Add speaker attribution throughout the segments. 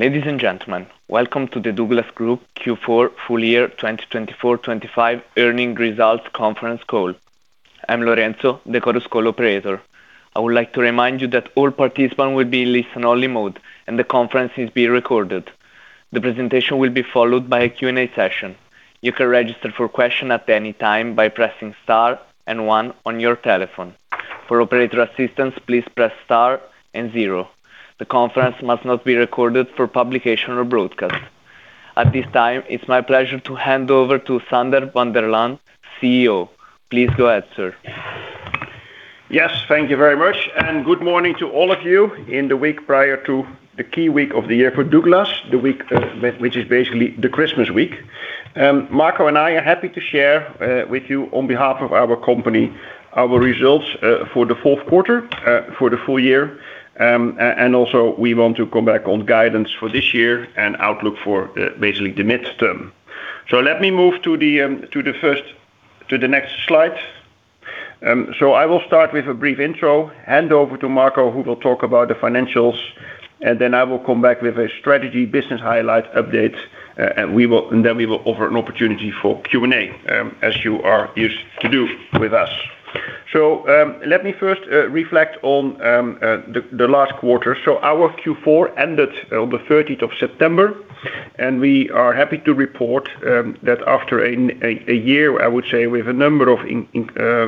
Speaker 1: Ladies and gentlemen, welcome to the Douglas Group Q4 Full Year 2024-2025 Earnings Results Conference Call. I'm Lorenzo, the Chorus Call Operator. I would like to remind you that all participants will be in listen-only mode, and the conference is being recorded. The presentation will be followed by a Q&A session. You can register for questions at any time by pressing star and one on your telephone. For operator assistance, please press star and zero. The conference must not be recorded for publication or broadcast. At this time, it's my pleasure to hand over to Sander van der Laan, CEO. Please go ahead, sir.
Speaker 2: Yes, thank you very much, and good morning to all of you. In the week prior to the key week of the year for Douglas, the week which is basically the Christmas week, Marco and I are happy to share with you on behalf of our company our results for the fourth quarter, for the full year, and also we want to come back on guidance for this year and outlook for basically the midterm, so let me move to the first, to the next slide, so I will start with a brief intro, hand over to Marco, who will talk about the financials, and then I will come back with a strategy business highlight update, and then we will offer an opportunity for Q&A, as you are used to do with us, so let me first reflect on the last quarter. So our Q4 ended on the 30th of September, and we are happy to report that after a year, I would say, with a number of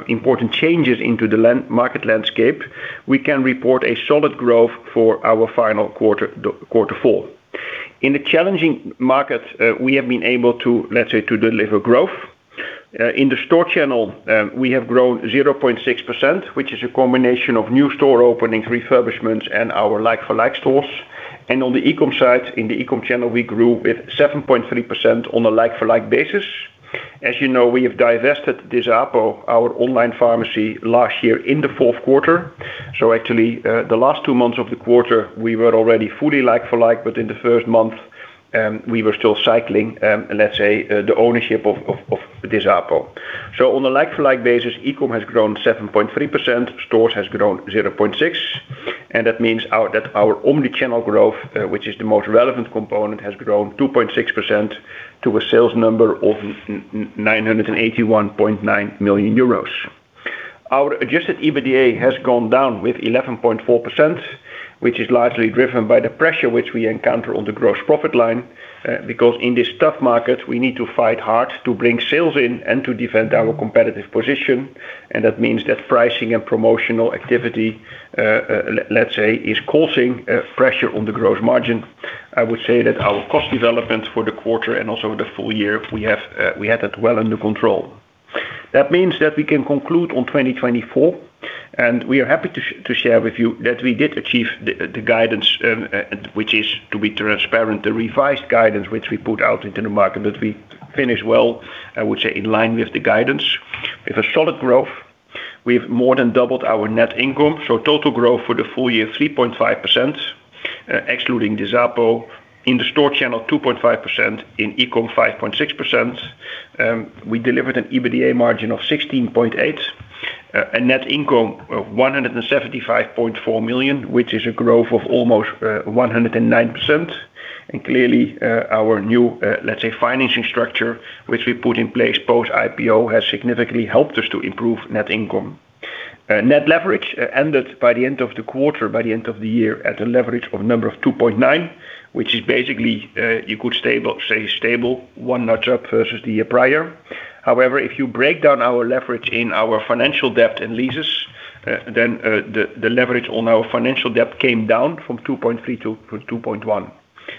Speaker 2: important changes into the market landscape, we can report a solid growth for our final quarter four. In the challenging market, we have been able to, let's say, to deliver growth. In the store channel, we have grown 0.6%, which is a combination of new store openings, refurbishments, and our like-for-like stores. And on the e-com side, in the e-com channel, we grew with 7.3% on a like-for-like basis. As you know, we have divested Disapo, our online pharmacy, last year in the fourth quarter. So actually, the last two months of the quarter, we were already fully like-for-like, but in the first month, we were still cycling, let's say, the ownership of Disapo. So on a like-for-like basis, e-com has grown 7.3%, stores have grown 0.6%, and that means that our omnichannel growth, which is the most relevant component, has grown 2.6% to a sales number of 981.9 million euros. Our Adjusted EBITDA has gone down with 11.4%, which is largely driven by the pressure which we encounter on the gross profit line, because in this tough market, we need to fight hard to bring sales in and to defend our competitive position. And that means that pricing and promotional activity, let's say, is causing pressure on the gross margin. I would say that our cost development for the quarter and also the full year, we had it well under control. That means that we can conclude on 2024, and we are happy to share with you that we did achieve the guidance, which is, to be transparent, the revised guidance which we put out into the market, that we finished well, I would say, in line with the guidance. We have a solid growth. We have more than doubled our net income. So total growth for the full year, 3.5%, excluding Disapo. In the store channel, 2.5%. In e-com, 5.6%. We delivered an EBITDA margin of 16.8%. A net income of 175.4 million, which is a growth of almost 109%. And clearly, our new, let's say, financing structure, which we put in place post-IPO, has significantly helped us to improve net income. Net leverage ended by the end of the quarter, by the end of the year, at a leverage of a number of 2.9, which is basically you could say stable, one notch up versus the year prior. However, if you break down our leverage in our financial debt and leases, then the leverage on our financial debt came down from 2.3 to 2.1.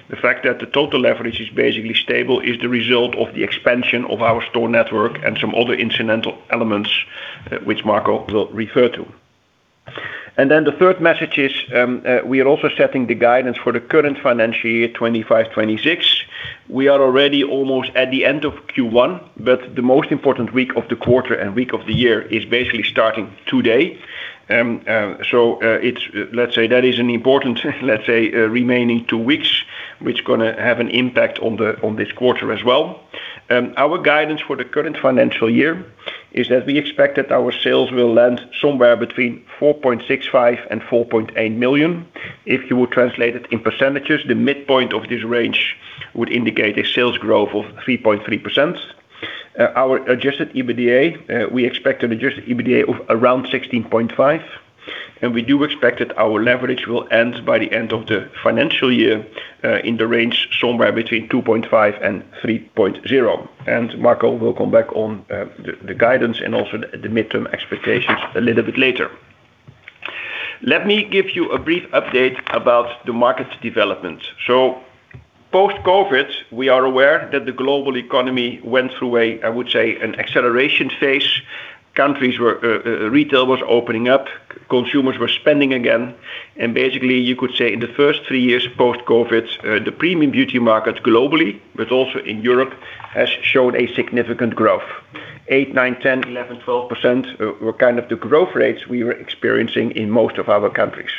Speaker 2: The fact that the total leverage is basically stable is the result of the expansion of our store network and some other incidental elements, which Marco will refer to. And then the third message is we are also setting the guidance for the current financial year, 2025-2026. We are already almost at the end of Q1, but the most important week of the quarter and week of the year is basically starting today. So let's say that is an important, let's say, remaining two weeks, which is going to have an impact on this quarter as well. Our guidance for the current financial year is that we expect that our sales will land somewhere between 4.65 million and 4.8 million. If you would translate it in percentages, the midpoint of this range would indicate a sales growth of 3.3%. Our Adjusted EBITDA, we expect an Adjusted EBITDA of around 16.5. And we do expect that our leverage will end by the end of the financial year in the range somewhere between 2.5 and 3.0. And Marco will come back on the guidance and also the midterm expectations a little bit later. Let me give you a brief update about the market development. So post-COVID, we are aware that the global economy went through a, I would say, an acceleration phase. Retail was opening up, consumers were spending again. And basically, you could say in the first three years post-COVID, the premium beauty market globally, but also in Europe, has shown a significant growth. 8%, 9%, 10%, 11%, 12% were kind of the growth rates we were experiencing in most of our countries.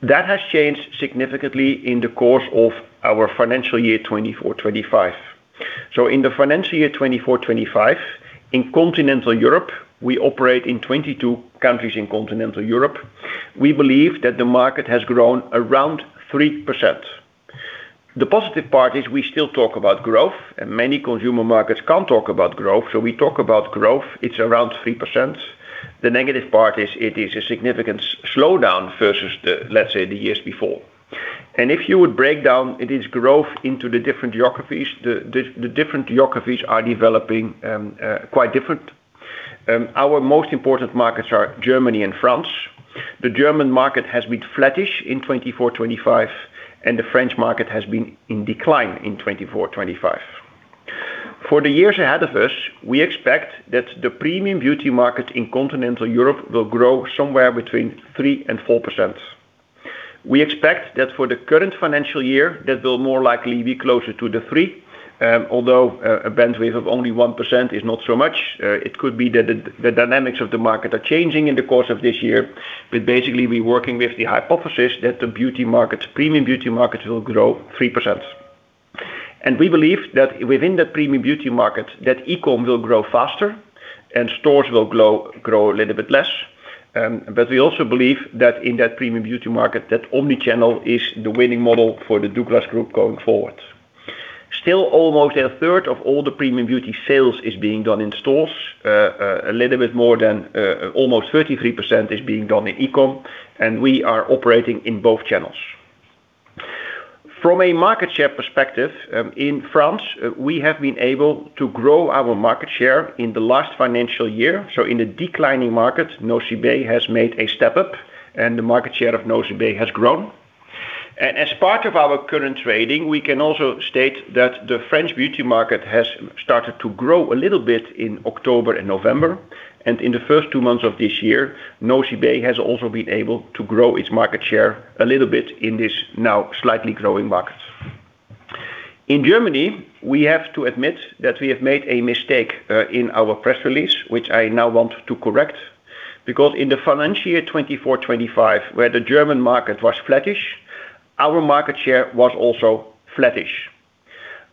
Speaker 2: That has changed significantly in the course of our financial year 2024-2025. So in the financial year 2024-2025, in continental Europe, we operate in 22 countries in continental Europe. We believe that the market has grown around 3%. The positive part is we still talk about growth, and many consumer markets can't talk about growth. So we talk about growth. It's around 3%. The negative part is it is a significant slowdown versus the, let's say, the years before. And if you would break down its growth into the different geographies, the different geographies are developing quite different. Our most important markets are Germany and France. The German market has been flattish in 2024-2025, and the French market has been in decline in 2024-2025. For the years ahead of us, we expect that the premium beauty market in continental Europe will grow somewhere between 3%-4%. We expect that for the current financial year, that will more likely be closer to the 3, although a bandwidth of only 1% is not so much. It could be that the dynamics of the market are changing in the course of this year, but basically, we're working with the hypothesis that the beauty markets, premium beauty markets, will grow 3%. We believe that within that premium beauty market, that e-com will grow faster and stores will grow a little bit less. But we also believe that in that premium beauty market, that omnichannel is the winning model for the Douglas Group going forward. Still, almost a third of all the premium beauty sales is being done in stores. A little bit more than almost 33% is being done in e-com, and we are operating in both channels. From a market share perspective, in France, we have been able to grow our market share in the last financial year. In the declining market, Nocibé has made a step up, and the market share of Nocibé has grown. As part of our current trading, we can also state that the French beauty market has started to grow a little bit in October and November. And in the first two months of this year, Nocibé has also been able to grow its market share a little bit in this now slightly growing market. In Germany, we have to admit that we have made a mistake in our press release, which I now want to correct, because in the financial year 2024-2025, where the German market was flattish, our market share was also flattish.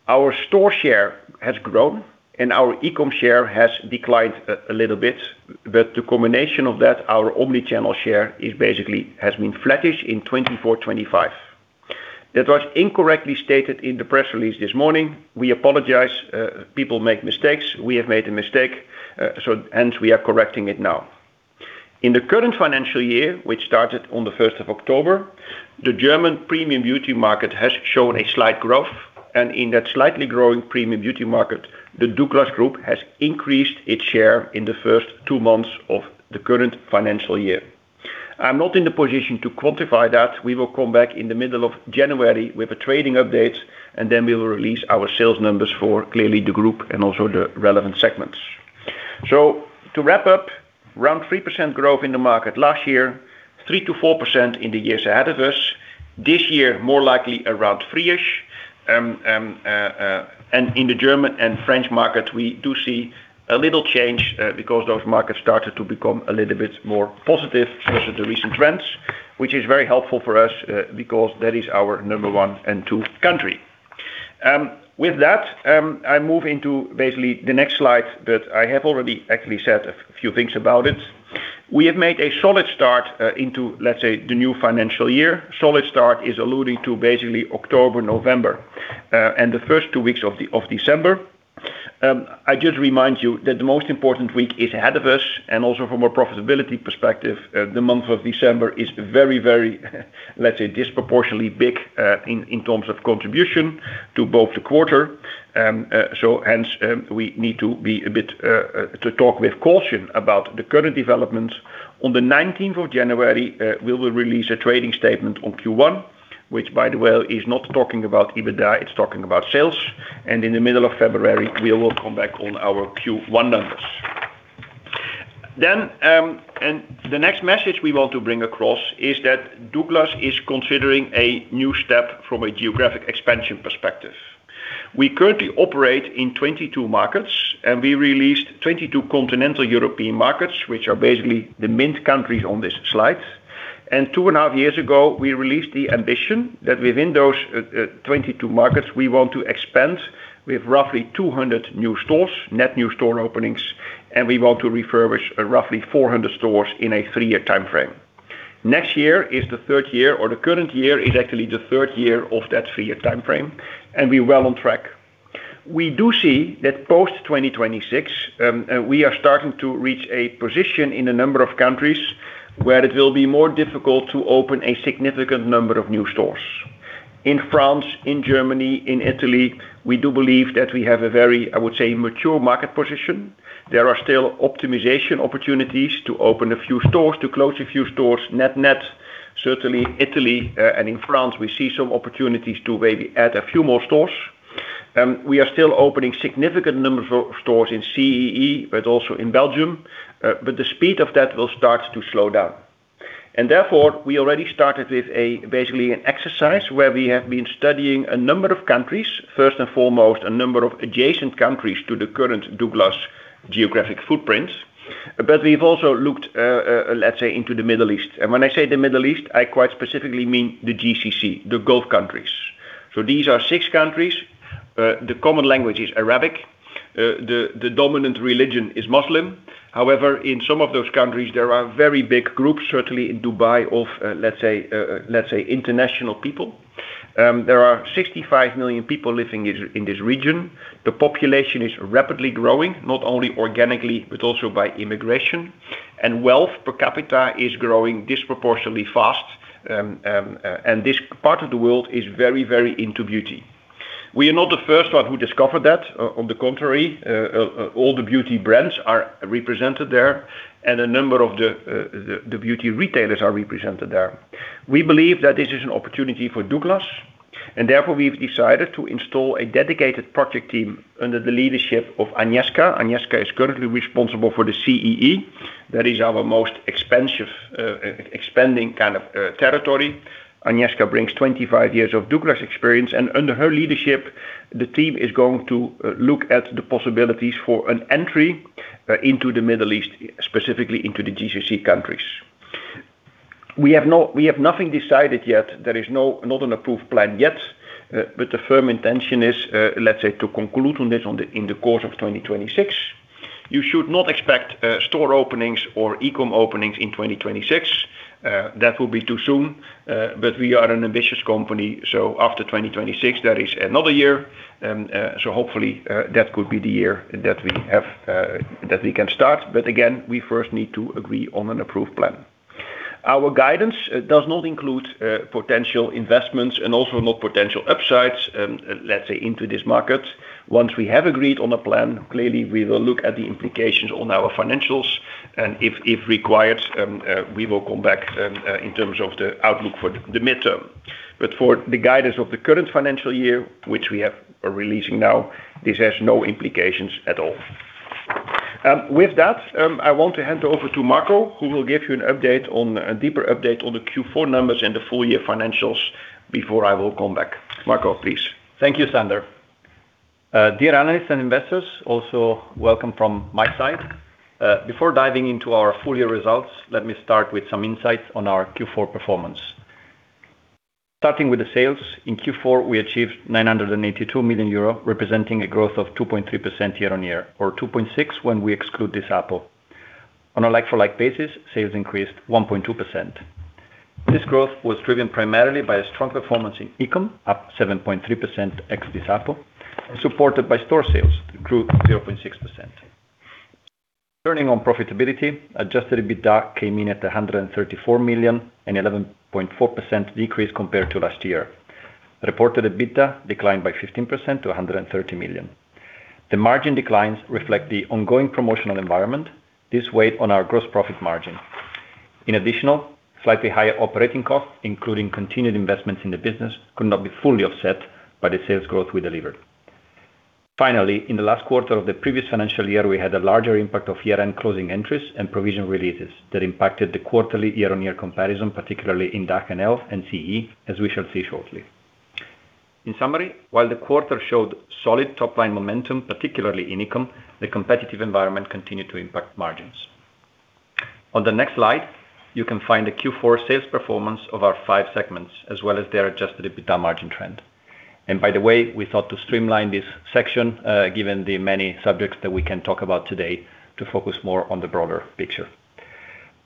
Speaker 2: Our store share has grown, and our e-com share has declined a little bit. But the combination of that, our omnichannel share has been flattish in 2024-2025. That was incorrectly stated in the press release this morning. We apologize. People make mistakes. We have made a mistake, and we are correcting it now. In the current financial year, which started on the 1st of October, the German premium beauty market has shown a slight growth. In that slightly growing premium beauty market, the Douglas Group has increased its share in the first two months of the current financial year. I'm not in the position to quantify that. We will come back in the middle of January with a trading update, and then we will release our sales numbers for clearly the group and also the relevant segments. To wrap up, around 3% growth in the market last year, 3%-4% in the years ahead of us. This year, more likely around 3%-ish. In the German and French market, we do see a little change because those markets started to become a little bit more positive versus the recent trends, which is very helpful for us because that is our number one and two country. With that, I move into basically the next slide, but I have already actually said a few things about it. We have made a solid start into, let's say, the new financial year. Solid start is alluding to basically October, November, and the first two weeks of December. I just remind you that the most important week is ahead of us. And also, from a profitability perspective, the month of December is very, very, let's say, disproportionately big in terms of contribution to both the quarter. So hence, we need to be a bit to talk with caution about the current developments. On the 19th of January, we will release a trading statement on Q1, which, by the way, is not talking about EBITDA. It's talking about sales. And in the middle of February, we will come back on our Q1 numbers. The next message we want to bring across is that Douglas is considering a new step from a geographic expansion perspective. We currently operate in 22 markets, and we operate in 22 continental European markets, which are basically the main countries on this slide. Two and a half years ago, we announced the ambition that within those 22 markets, we want to expand with roughly 200 new stores, net new store openings, and we want to refurbish roughly 400 stores in a three-year time frame. Next year is the third year, or the current year is actually the third year of that three-year time frame, and we're well on track. We do see that post-2026, we are starting to reach a position in a number of countries where it will be more difficult to open a significant number of new stores. In France, in Germany, in Italy, we do believe that we have a very, I would say, mature market position. There are still optimization opportunities to open a few stores, to close a few stores, net-net. Certainly, Italy and in France, we see some opportunities to maybe add a few more stores. We are still opening significant numbers of stores in CEE, but also in Belgium. But the speed of that will start to slow down. And therefore, we already started with basically an exercise where we have been studying a number of countries, first and foremost, a number of adjacent countries to the current Douglas geographic footprint. But we've also looked, let's say, into the Middle East. And when I say the Middle East, I quite specifically mean the GCC, the Gulf countries. So these are six countries, the common language is Arabic, the dominant religion is Muslim. However, in some of those countries, there are very big groups, certainly in Dubai, of, let's say, international people. There are 65 million people living in this region. The population is rapidly growing, not only organically, but also by immigration, and wealth per capita is growing disproportionately fast, and this part of the world is very, very into beauty. We are not the first one who discovered that. On the contrary, all the beauty brands are represented there, and a number of the beauty retailers are represented there. We believe that this is an opportunity for Douglas, and therefore, we've decided to install a dedicated project team under the leadership of Agnieszka. Agnieszka is currently responsible for the CEE. That is our most expanding kind of territory. Agnieszka brings 25 years of Douglas experience. Under her leadership, the team is going to look at the possibilities for an entry into the Middle East, specifically into the GCC countries. We have nothing decided yet. There is not an approved plan yet, but the firm intention is, let's say, to conclude on this in the course of 2026. You should not expect store openings or e-com openings in 2026. That will be too soon. We are an ambitious company. After 2026, that is another year. Hopefully, that could be the year that we can start. Again, we first need to agree on an approved plan. Our guidance does not include potential investments and also not potential upsides, let's say, into this market. Once we have agreed on a plan, clearly, we will look at the implications on our financials. And if required, we will come back in terms of the outlook for the midterm. But for the guidance of the current financial year, which we are releasing now, this has no implications at all. With that, I want to hand over to Marco, who will give you a deeper update on the Q4 numbers and the full year financials before I will come back. Marco, please.
Speaker 3: Thank you, Sander. Dear analysts and investors, also welcome from my side. Before diving into our full year results, let me start with some insights on our Q4 performance. Starting with the sales, in Q4, we achieved 982 million euro, representing a growth of 2.3% year-on-year, or 2.6% when we exclude Disapo. On a like-for-like basis, sales increased 1.2%. This growth was driven primarily by a strong performance in e-com, up 7.3% ex-Disapo, supported by store sales, which grew 0.6%. Turning on profitability, adjusted EBITDA came in at 134 million, an 11.4% decrease compared to last year. Reported EBITDA declined by 15% to 130 million. The margin declines reflect the ongoing promotional environment. This weighed on our gross profit margin. In addition, slightly higher operating costs, including continued investments in the business, could not be fully offset by the sales growth we delivered. Finally, in the last quarter of the previous financial year, we had a larger impact of year-end closing entries and provision releases that impacted the quarterly year-on-year comparison, particularly in DACH and CEE, as we shall see shortly. In summary, while the quarter showed solid top-line momentum, particularly in e-com, the competitive environment continued to impact margins. On the next slide, you can find the Q4 sales performance of our five segments, as well as their adjusted EBITDA margin trend. And by the way, we thought to streamline this section, given the many subjects that we can talk about today, to focus more on the broader picture.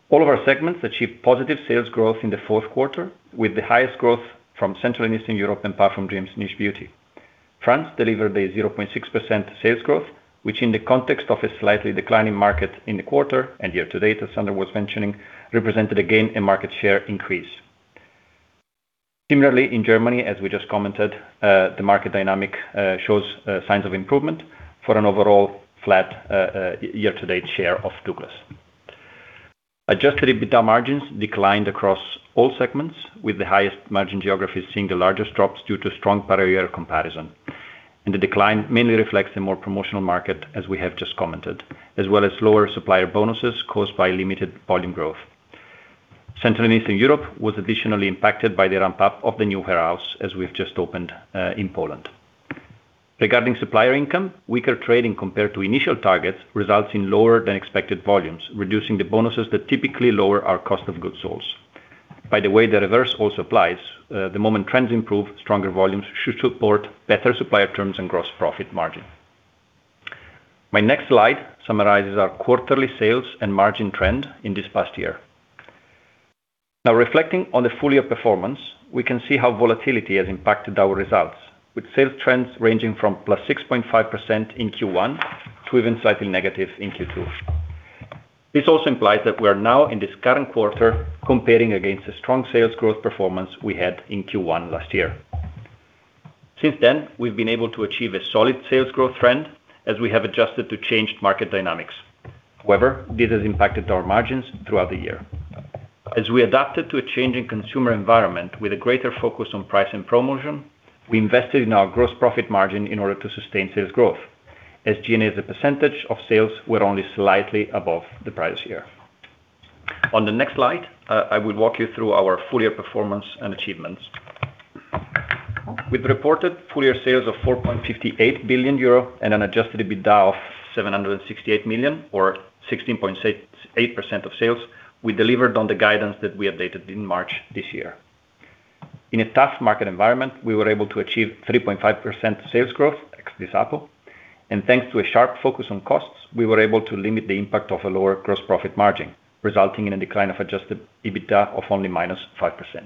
Speaker 3: All of our segments achieved positive sales growth in the fourth quarter, with the highest growth from Central and Eastern Europe and Parfumdreams & Niche Beauty. France delivered a 0.6% sales growth, which, in the context of a slightly declining market in the quarter and year-to-date, as Sander was mentioning, represented again a market share increase. Similarly, in Germany, as we just commented, the market dynamic shows signs of improvement for an overall flat year-to-date share of Douglas. Adjusted EBITDA margins declined across all segments, with the highest margin geographies seeing the largest drops due to strong parallel comparison. And the decline mainly reflects a more promotional market, as we have just commented, as well as lower supplier bonuses caused by limited volume growth. Central and Eastern Europe was additionally impacted by the ramp-up of the new warehouse, as we've just opened in Poland. Regarding supplier income, weaker trading compared to initial targets results in lower than expected volumes, reducing the bonuses that typically lower our cost of goods sold. By the way, the reverse also applies. The moment trends improve, stronger volumes should support better supplier terms and gross profit margin. My next slide summarizes our quarterly sales and margin trend in this past year. Now, reflecting on the full year performance, we can see how volatility has impacted our results, with sales trends ranging from plus 6.5% in Q1 to even slightly negative in Q2. This also implies that we are now, in this current quarter, comparing against the strong sales growth performance we had in Q1 last year. Since then, we've been able to achieve a solid sales growth trend as we have adjusted to changed market dynamics. However, this has impacted our margins throughout the year. As we adapted to a changing consumer environment with a greater focus on price and promotion, we invested in our gross profit margin in order to sustain sales growth, as G&A's percentage of sales were only slightly above the prior year. On the next slide, I will walk you through our full year performance and achievements. With reported full year sales of 4.58 billion euro and an adjusted EBITDA of 768 million, or 16.8% of sales, we delivered on the guidance that we updated in March this year. In a tough market environment, we were able to achieve 3.5% sales growth ex-Disapo, and thanks to a sharp focus on costs, we were able to limit the impact of a lower gross profit margin, resulting in a decline of Adjusted EBITDA of only -5%.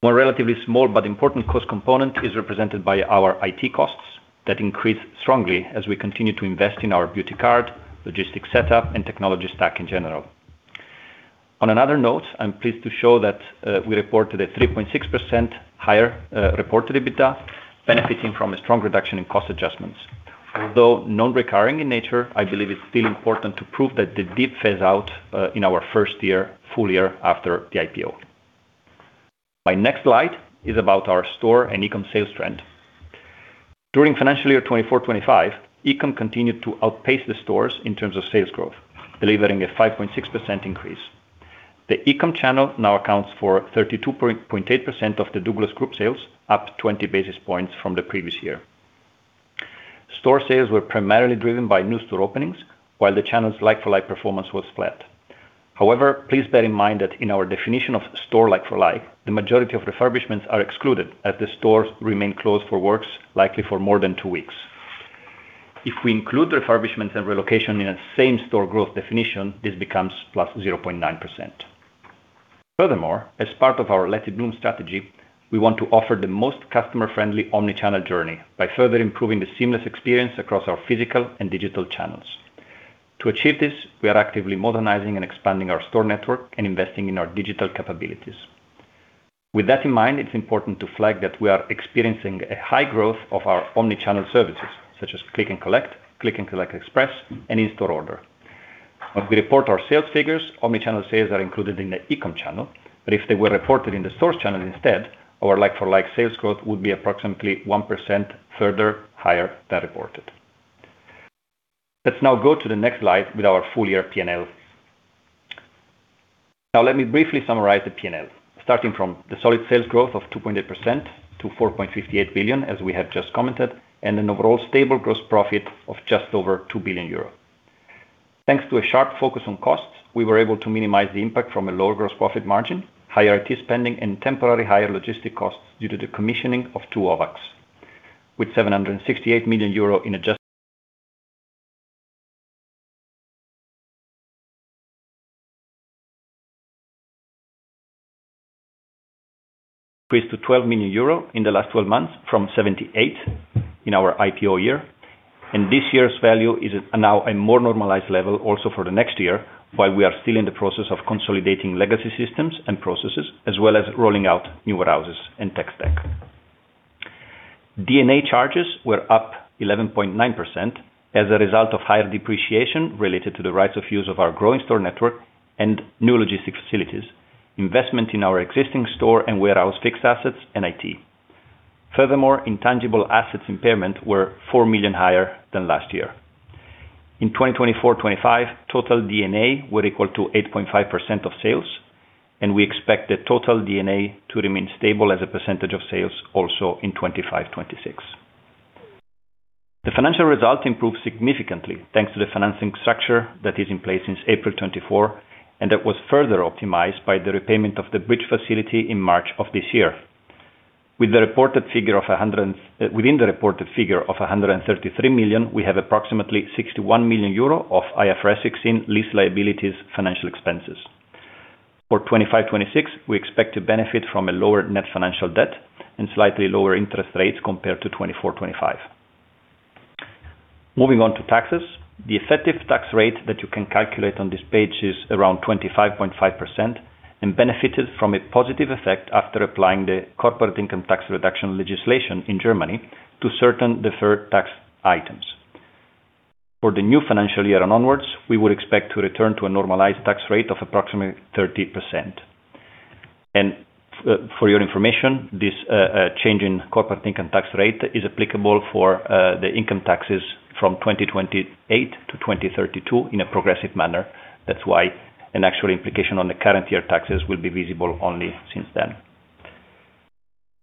Speaker 3: One relatively small but important cost component is represented by our IT costs that increased strongly as we continue to invest in our Beauty Card, logistics setup, and technology stack in general. On another note, I'm pleased to show that we reported a 3.6% higher reported EBITDA, benefiting from a strong reduction in cost adjustments. Although non-recurring in nature, I believe it's still important to prove that the deep phase-out in our first year, full year after the IPO. My next slide is about our store and e-com sales trend. During financial year 2024-2025, e-com continued to outpace the stores in terms of sales growth, delivering a 5.6% increase. The e-com channel now accounts for 32.8% of the Douglas Group sales, up 20 basis points from the previous year. Store sales were primarily driven by new store openings, while the channel's like-for-like performance was flat. However, please bear in mind that in our definition of store like-for-like, the majority of refurbishments are excluded as the stores remain closed for works likely for more than two weeks. If we include refurbishments and relocation in the same store growth definition, this becomes +0.9%. Furthermore, as part of our Let It Bloom strategy, we want to offer the most customer-friendly omnichannel journey by further improving the seamless experience across our physical and digital channels. To achieve this, we are actively modernizing and expanding our store network and investing in our digital capabilities. With that in mind, it's important to flag that we are experiencing a high growth of our omnichannel services, such as Click and Collect, Click and Collect Express, and In-Store Order. As we report our sales figures, omnichannel sales are included in the e-com channel. But if they were reported in the stores channel instead, our like-for-like sales growth would be approximately 1% further higher than reported. Let's now go to the next slide with our full year P&L. Now, let me briefly summarize the P&L, starting from the solid sales growth of 2.8% to 4.58 billion, as we have just commented, and an overall stable gross profit of just over 2 billion euros. Thanks to a sharp focus on costs, we were able to minimize the impact from a lower gross profit margin, higher IT spending, and temporary higher logistics costs due to the commissioning of two OWAC, with EUR 768 million in Adjusted EBITDA increased to 12 million euro in the last 12 months from 78 million in our IPO year, and this year's value is now a more normalized level also for the next year, while we are still in the process of consolidating legacy systems and processes, as well as rolling out new warehouses and tech stack. D&A charges were up 11.9% as a result of higher depreciation related to the rights of use of our growing store network and new logistics facilities, investment in our existing store and warehouse fixed assets, and IT. Furthermore, intangible assets impairment were 4 million higher than last year. In 2024-25, total D&A were equal to 8.5% of sales, and we expect the total D&A to remain stable as a percentage of sales also in 2025-2026. The financial result improved significantly thanks to the financing structure that is in place since April 2024, and that was further optimized by the repayment of the bridge facility in March of this year. With the reported figure of 133 million, we have approximately 61 million euro of IFRS 16 lease liabilities financial expenses. For 2025-2026, we expect to benefit from a lower net financial debt and slightly lower interest rates compared to 2024-2025. Moving on to taxes, the effective tax rate that you can calculate on this page is around 25.5% and benefited from a positive effect after applying the corporate income tax reduction legislation in Germany to certain deferred tax items. For the new financial year and onwards, we would expect to return to a normalized tax rate of approximately 30%. For your information, this change in corporate income tax rate is applicable for the income taxes from 2028-2032 in a progressive manner. That's why an actual implication on the current year taxes will be visible only since then.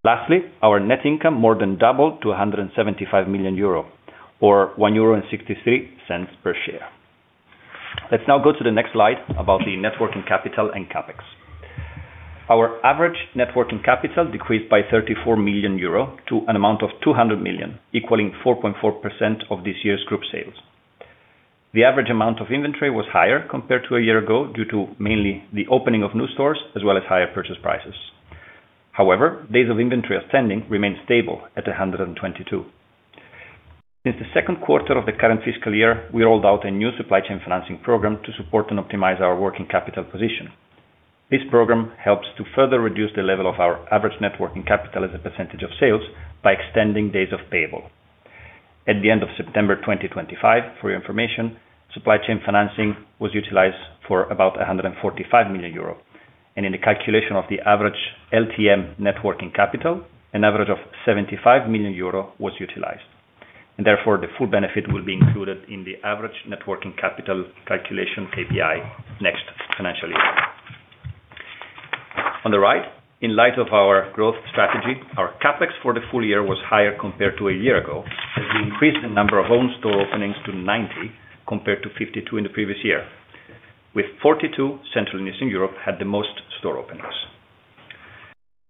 Speaker 3: Lastly, our net income more than doubled to 175 million euro, or 1.63 euro per share. Let's now go to the next slide about the net working capital and CapEx. Our average net working capital decreased by 34 million euro to an amount of 200 million, equaling 4.4% of this year's group sales. The average amount of inventory was higher compared to a year ago due to mainly the opening of new stores as well as higher purchase prices. However, days of inventory outstanding remained stable at 122. Since the second quarter of the current fiscal year, we rolled out a new supply chain financing program to support and optimize our working capital position. This program helps to further reduce the level of our average net working capital as a percentage of sales by extending days payable. At the end of September 2025, for your information, supply chain financing was utilized for about 145 million euro. And in the calculation of the average LTM net working capital, an average of 75 million euro was utilized. And therefore, the full benefit will be included in the average net working capital calculation KPI next financial year. On the right, in light of our growth strategy, our CapEx for the full year was higher compared to a year ago as we increased the number of owned store openings to 90 compared to 52 in the previous year, with 42. Central and Eastern Europe had the most store openings.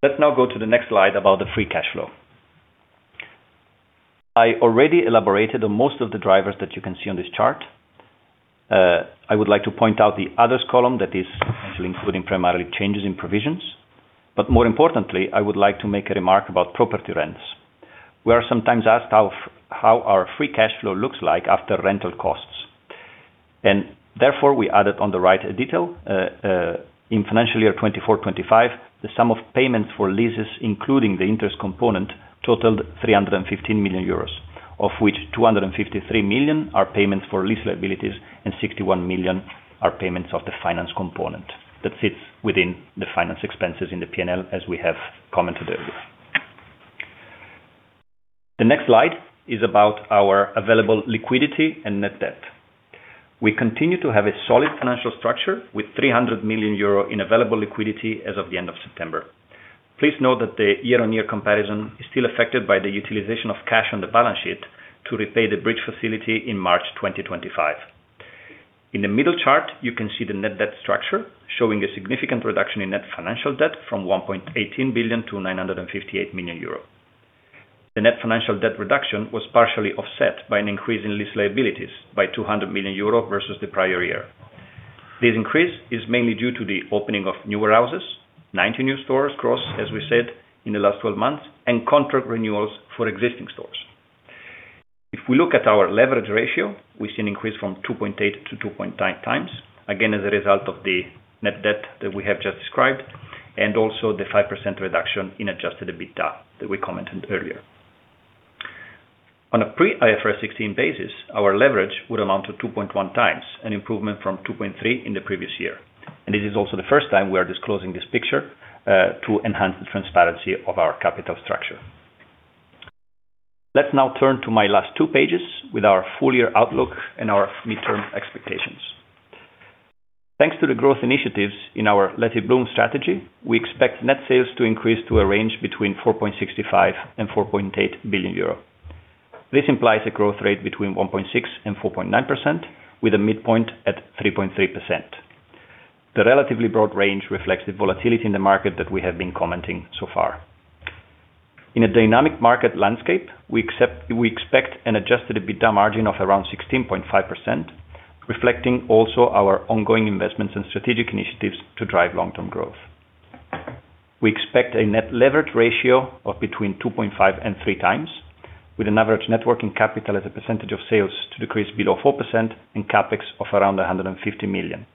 Speaker 3: Let's now go to the next slide about the free cash flow. I already elaborated on most of the drivers that you can see on this chart. I would like to point out the others column that is actually including primarily changes in provisions. But more importantly, I would like to make a remark about property rents. We are sometimes asked how our free cash flow looks like after rental costs. And therefore, we added on the right a detail. In financial year 2024-2025, the sum of payments for leases, including the interest component, totaled 315 million euros, of which 253 million are payments for lease liabilities and 61 million are payments of the finance component that sits within the finance expenses in the P&L, as we have commented earlier. The next slide is about our available liquidity and net debt. We continue to have a solid financial structure with 300 million euro in available liquidity as of the end of September. Please note that the year-on-year comparison is still affected by the utilization of cash on the balance sheet to repay the bridge facility in March 2025. In the middle chart, you can see the net debt structure showing a significant reduction in net financial debt from 1.18 billion to 958 million euros. The net financial debt reduction was partially offset by an increase in lease liabilities by 200 million euro versus the prior year. This increase is mainly due to the opening of new warehouses, 90 new stores across, as we said, in the last 12 months, and contract renewals for existing stores. If we look at our leverage ratio, we see an increase from 2.8-2.9 times, again as a result of the net debt that we have just described and also the 5% reduction in Adjusted EBITDA that we commented earlier. On a pre-IFRS 16 basis, our leverage would amount to 2.1 times, an improvement from 2.3 in the previous year. And this is also the first time we are disclosing this picture to enhance the transparency of our capital structure. Let's now turn to my last two pages with our full year outlook and our midterm expectations. Thanks to the growth initiatives in our Let It Bloom strategy, we expect net sales to increase to a range between 4.65 billion and 4.8 billion euro. This implies a growth rate between 1.6% and 4.9%, with a midpoint at 3.3%. The relatively broad range reflects the volatility in the market that we have been commenting so far. In a dynamic market landscape, we expect an Adjusted EBITDA margin of around 16.5%, reflecting also our ongoing investments and strategic initiatives to drive long-term growth. We expect a net leverage ratio of between 2.5 and 3 times, with an average net working capital as a percentage of sales to decrease below 4% and CapEx of around 150 million.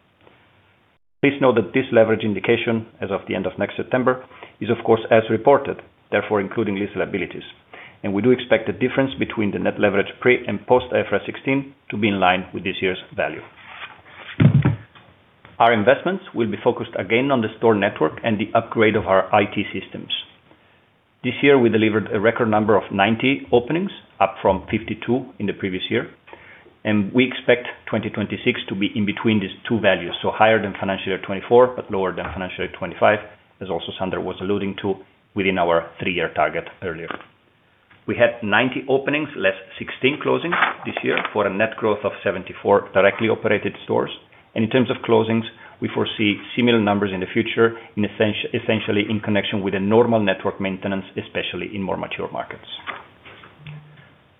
Speaker 3: Please note that this leverage indication, as of the end of next September, is, of course, as reported, therefore including lease liabilities. We do expect the difference between the net leverage pre and post-IFRS 16 to be in line with this year's value. Our investments will be focused again on the store network and the upgrade of our IT systems. This year, we delivered a record number of 90 openings, up from 52 in the previous year. We expect 2026 to be in between these two values, so higher than financial year 24 but lower than financial year 25, as also Sander was alluding to within our three-year target earlier. We had 90 openings, less 16 closings this year for a net growth of 74 directly operated stores. In terms of closings, we foresee similar numbers in the future, essentially in connection with a normal network maintenance, especially in more mature markets.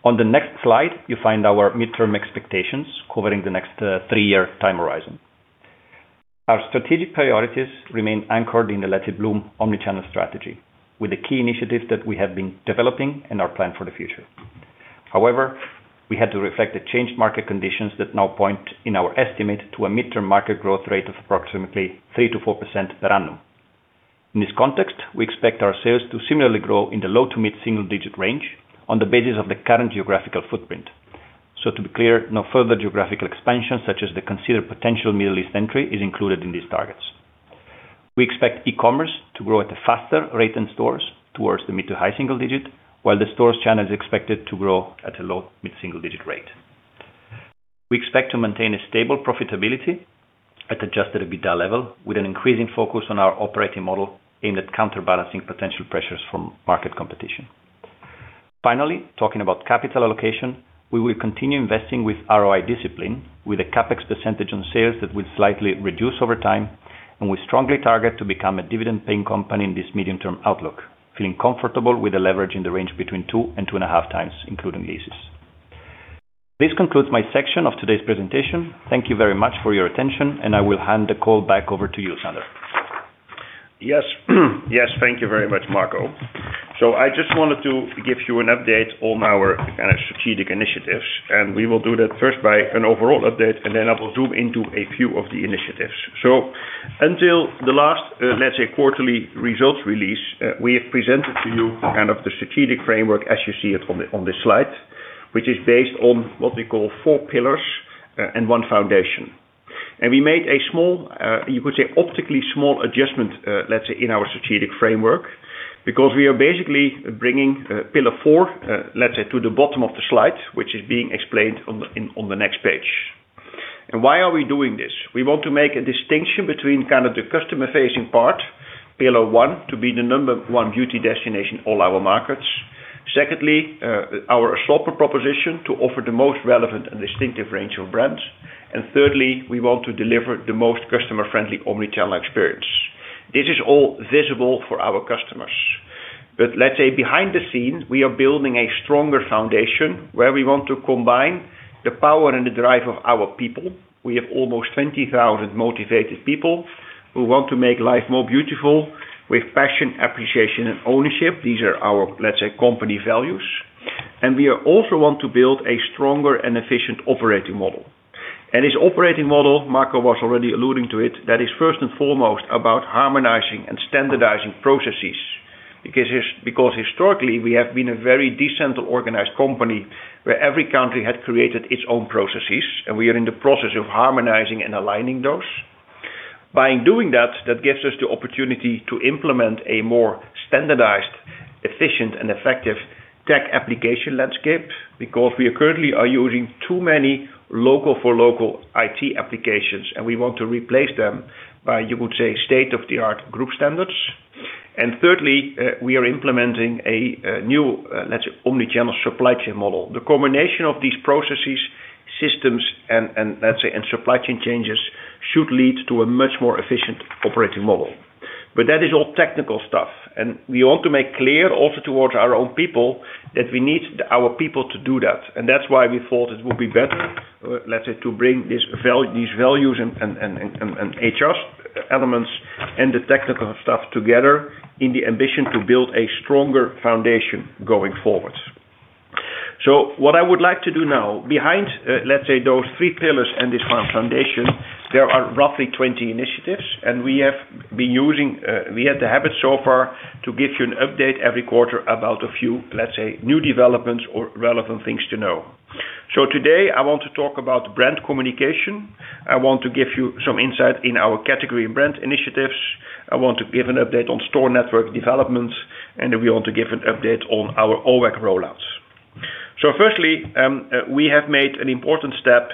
Speaker 3: On the next slide, you find our midterm expectations covering the next three-year time horizon. Our strategic priorities remain anchored in the Let It Bloom omnichannel strategy, with the key initiatives that we have been developing and our plan for the future. However, we had to reflect the changed market conditions that now point in our estimate to a midterm market growth rate of approximately 3%-4% per annum. In this context, we expect our sales to similarly grow in the low to mid single-digit range on the basis of the current geographical footprint. So to be clear, no further geographical expansion, such as the considered potential Middle East entry, is included in these targets. We expect e-commerce to grow at a faster rate in stores towards the mid to high single digit, while the stores channel is expected to grow at a low mid single digit rate. We expect to maintain a stable profitability at Adjusted EBITDA level, with an increasing focus on our operating model aimed at counterbalancing potential pressures from market competition. Finally, talking about capital allocation, we will continue investing with ROI discipline, with a CapEx percentage on sales that will slightly reduce over time, and we strongly target to become a dividend-paying company in this medium-term outlook, feeling comfortable with the leverage in the range between 2 and 2.5 times, including leases. This concludes my section of today's presentation. Thank you very much for your attention, and I will hand the call back over to you, Sander.
Speaker 2: Yes. Yes. Thank you very much, Marco, so I just wanted to give you an update on our kind of strategic initiatives, and we will do that first by an overall update, and then I will zoom into a few of the initiatives. Until the last, let's say, quarterly results release, we have presented to you kind of the strategic framework as you see it on this slide, which is based on what we call four pillars and one foundation. We made a small, you could say, optically small adjustment, let's say, in our strategic framework because we are basically bringing pillar four, let's say, to the bottom of the slide, which is being explained on the next page. Why are we doing this? We want to make a distinction between kind of the customer-facing part, pillar one, to be the number one beauty destination in all our markets. Secondly, our shopper proposition to offer the most relevant and distinctive range of brands. Thirdly, we want to deliver the most customer-friendly omnichannel experience. This is all visible for our customers. But let's say behind the scenes, we are building a stronger foundation where we want to combine the power and the drive of our people. We have almost 20,000 motivated people who want to make life more beautiful with passion, appreciation, and ownership. These are our, let's say, company values. And we also want to build a stronger and efficient operating model. And this operating model, Marco was already alluding to it, that is first and foremost about harmonizing and standardizing processes because historically, we have been a very decentralized company where every country had created its own processes, and we are in the process of harmonizing and aligning those. By doing that, that gives us the opportunity to implement a more standardized, efficient, and effective tech application landscape because we currently are using too many local-for-local IT applications, and we want to replace them by, you could say, state-of-the-art group standards. And thirdly, we are implementing a new, let's say, omnichannel supply chain model. The combination of these processes, systems, and, let's say, supply chain changes should lead to a much more efficient operating model. But that is all technical stuff. And we want to make clear also towards our own people that we need our people to do that. And that's why we thought it would be better, let's say, to bring these values and HR elements and the technical stuff together in the ambition to build a stronger foundation going forward. What I would like to do now, behind, let's say, those three pillars and this foundation, there are roughly 20 initiatives, and we had the habit so far to give you an update every quarter about a few, let's say, new developments or relevant things to know. Today, I want to talk about brand communication. I want to give you some insight in our category brand initiatives. I want to give an update on store network developments, and we want to give an update on our OWAC rollouts. Firstly, we have made an important step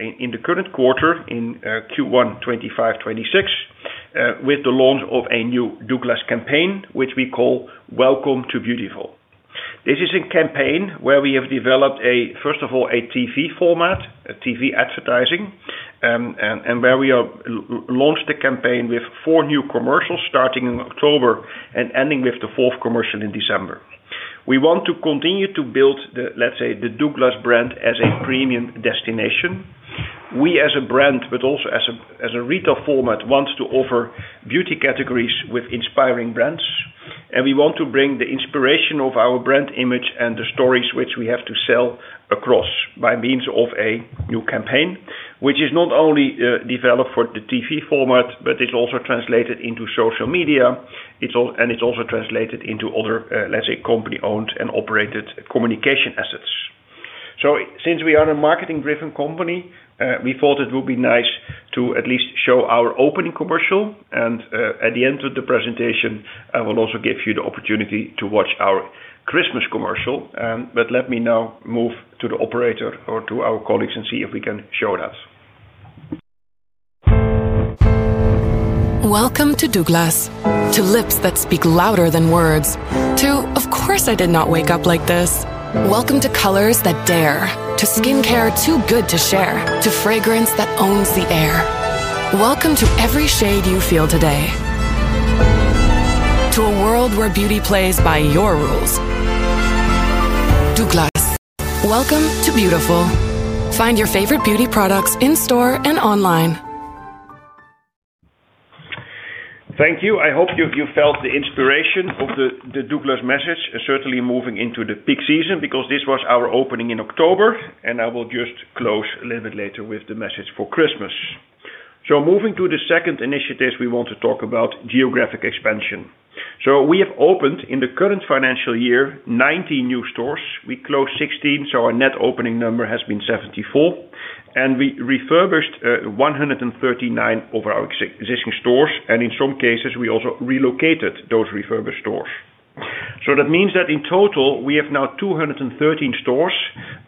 Speaker 2: in the current quarter in Q1 2025-2026 with the launch of a new Douglas campaign, which we call Welcome to Beautiful. This is a campaign where we have developed, first of all, a TV format, TV advertising, and where we have launched the campaign with four new commercials starting in October and ending with the fourth commercial in December. We want to continue to build the, let's say, the Douglas brand as a premium destination. We, as a brand, but also as a retail format, want to offer beauty categories with inspiring brands. And we want to bring the inspiration of our brand image and the stories which we have to sell across by means of a new campaign, which is not only developed for the TV format, but it's also translated into social media, and it's also translated into other, let's say, company-owned and operated communication assets. So since we are a marketing-driven company, we thought it would be nice to at least show our opening commercial. And at the end of the presentation, I will also give you the opportunity to watch our Christmas commercial. But let me now move to the operator or to our colleagues and see if we can show that. Welcome to Douglas, to lips that speak louder than words, to, of course, I did not wake up like this. Welcome to colors that dare, to skincare too good to share, to fragrance that owns the air. Welcome to every shade you feel today, to a world where beauty plays by your rules. Douglas. Welcome to Beautiful. Find your favorite beauty products in store and online. Thank you. I hope you felt the inspiration of the Douglas message and certainly moving into the peak season because this was our opening in October, and I will just close a little bit later with the message for Christmas. Moving to the second initiatives, we want to talk about geographic expansion. We have opened in the current financial year 19 new stores. We closed 16, so our net opening number has been 74, and we refurbished 139 of our existing stores. In some cases, we also relocated those refurbished stores. That means that in total, we have now 213 stores